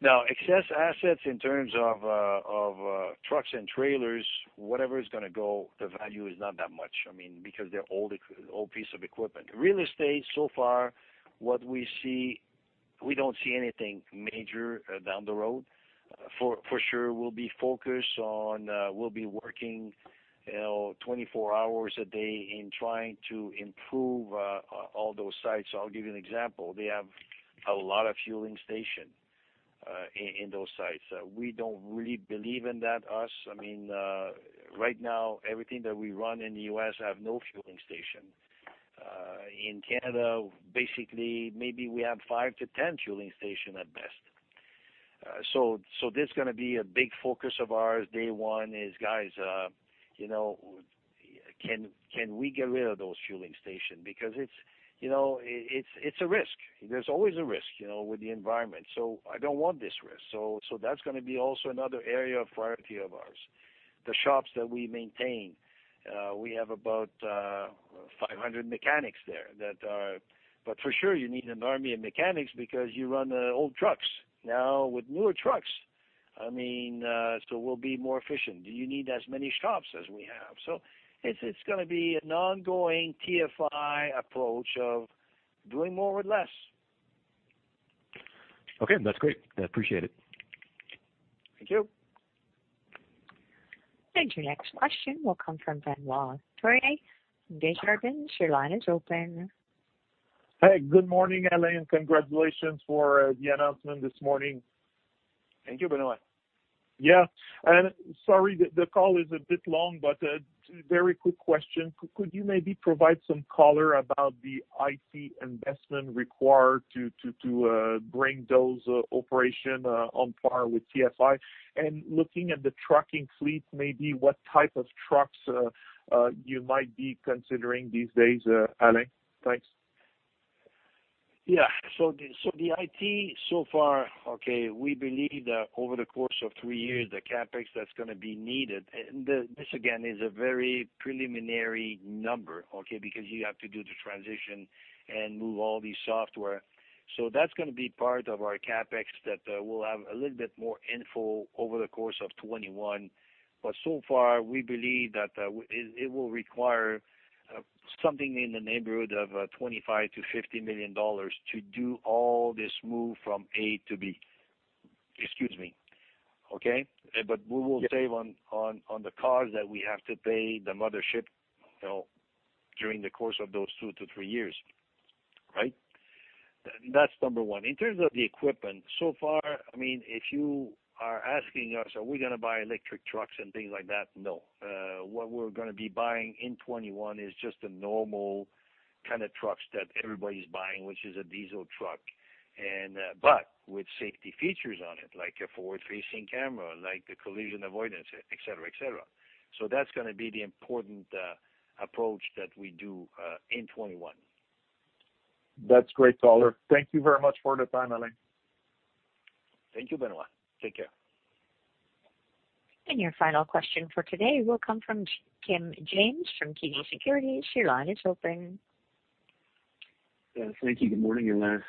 Now, excess assets in terms of trucks and trailers, whatever is going to go, the value is not that much, because they're old piece of equipment. Real estate so far, what we see, we don't see anything major down the road. For sure, we'll be working 24 hours a day in trying to improve all those sites. I'll give you an example. They have a lot of fueling station in those sites. We don't really believe in that, us. Right now, everything that we run in the U.S. have no fueling station. In Canada, basically, maybe we have five to 10 fueling station at best. This is going to be a big focus of ours. Day one is, guys, can we get rid of those fueling station? Because it's a risk. There's always a risk with the environment, so I don't want this risk. That's going to be also another area of priority of ours. The shops that we maintain. We have about 500 mechanics there. For sure, you need an army of mechanics because you run old trucks. Now, with newer trucks, so we'll be more efficient. Do you need as many shops as we have? It's going to be an ongoing TFI approach of doing more with less. Okay. That's great. I appreciate it. Thank you. Thank you. Next question will come from Benoit Turcotte. From Desjardins, your line is open. Hey. Good morning, Alain. Congratulations for the announcement this morning. Thank you, Benoit. Yeah. Sorry, the call is a bit long, but very quick question. Could you maybe provide some color about the IT investment required to bring those operations on par with TFI? Looking at the trucking fleet, maybe what type of trucks you might be considering these days, Alain? Thanks. Yeah. The IT so far, okay, we believe that over the course of three years, the CapEx that's going to be needed, and this again, is a very preliminary number, okay, because you have to do the transition and move all the software. That's going to be part of our CapEx that we'll have a little bit more info over the course of 2021. So far, we believe that it will require something in the neighborhood of 25 million-50 million dollars to do all this move from A to B. Excuse me. Okay. We will save on the cars that we have to pay the mothership during the course of those two to three years. Right? That's number one. In terms of the equipment, so far, if you are asking us, are we going to buy electric trucks and things like that? No. What we're going to be buying in 2021 is just the normal kind of trucks that everybody's buying, which is a diesel truck with safety features on it, like a forward-facing camera, like the collision avoidance, et cetera. That's going to be the important approach that we do in 2021. That's great, color. Thank you very much for the time, Alain. Thank you, Benoit. Take care. Your final question for today will come from Kim James from KeyBanc Securities. Your line is open. Thank you. Good morning, Alain.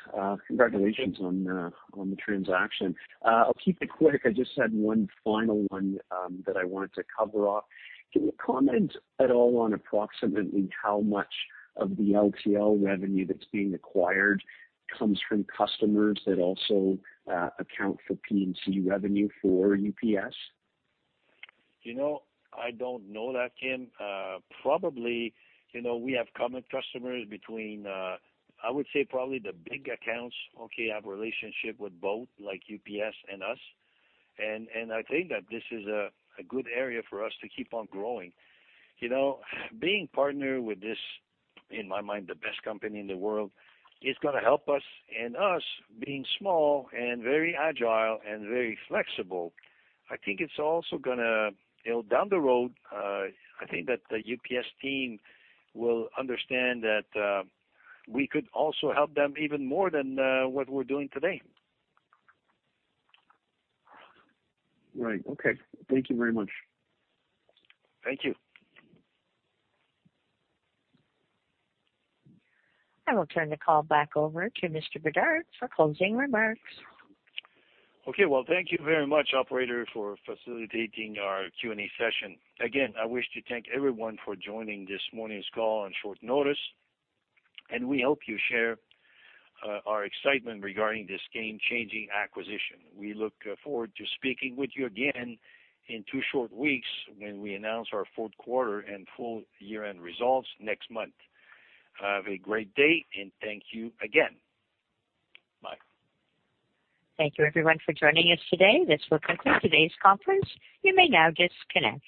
Congratulations on the transaction. I'll keep it quick. I just had one final one that I wanted to cover off. Can you comment at all on approximately how much of the LTL revenue that's being acquired comes from customers that also account for P&C revenue for UPS? I don't know that, Kim. Probably, we have common customers between, I would say probably the big accounts, okay, have a relationship with both, like UPS and us. I think that this is a good area for us to keep on growing. Being partner with this, in my mind, the best company in the world, is going to help us. Us being small and very agile and very flexible, I think it's also going to, down the road, I think that the UPS team will understand that we could also help them even more than what we're doing today. Right. Okay. Thank you very much. Thank you. I will turn the call back over to Mr. Bédard for closing remarks. Okay. Well, thank you very much, operator, for facilitating our Q&A session. Again, I wish to thank everyone for joining this morning's call on short notice, and we hope you share our excitement regarding this game-changing acquisition. We look forward to speaking with you again in two short weeks when we announce our fourth quarter and full year-end results next month. Have a great day, and thank you again. Bye. Thank you everyone for joining us today. This will conclude today's conference. You may now disconnect.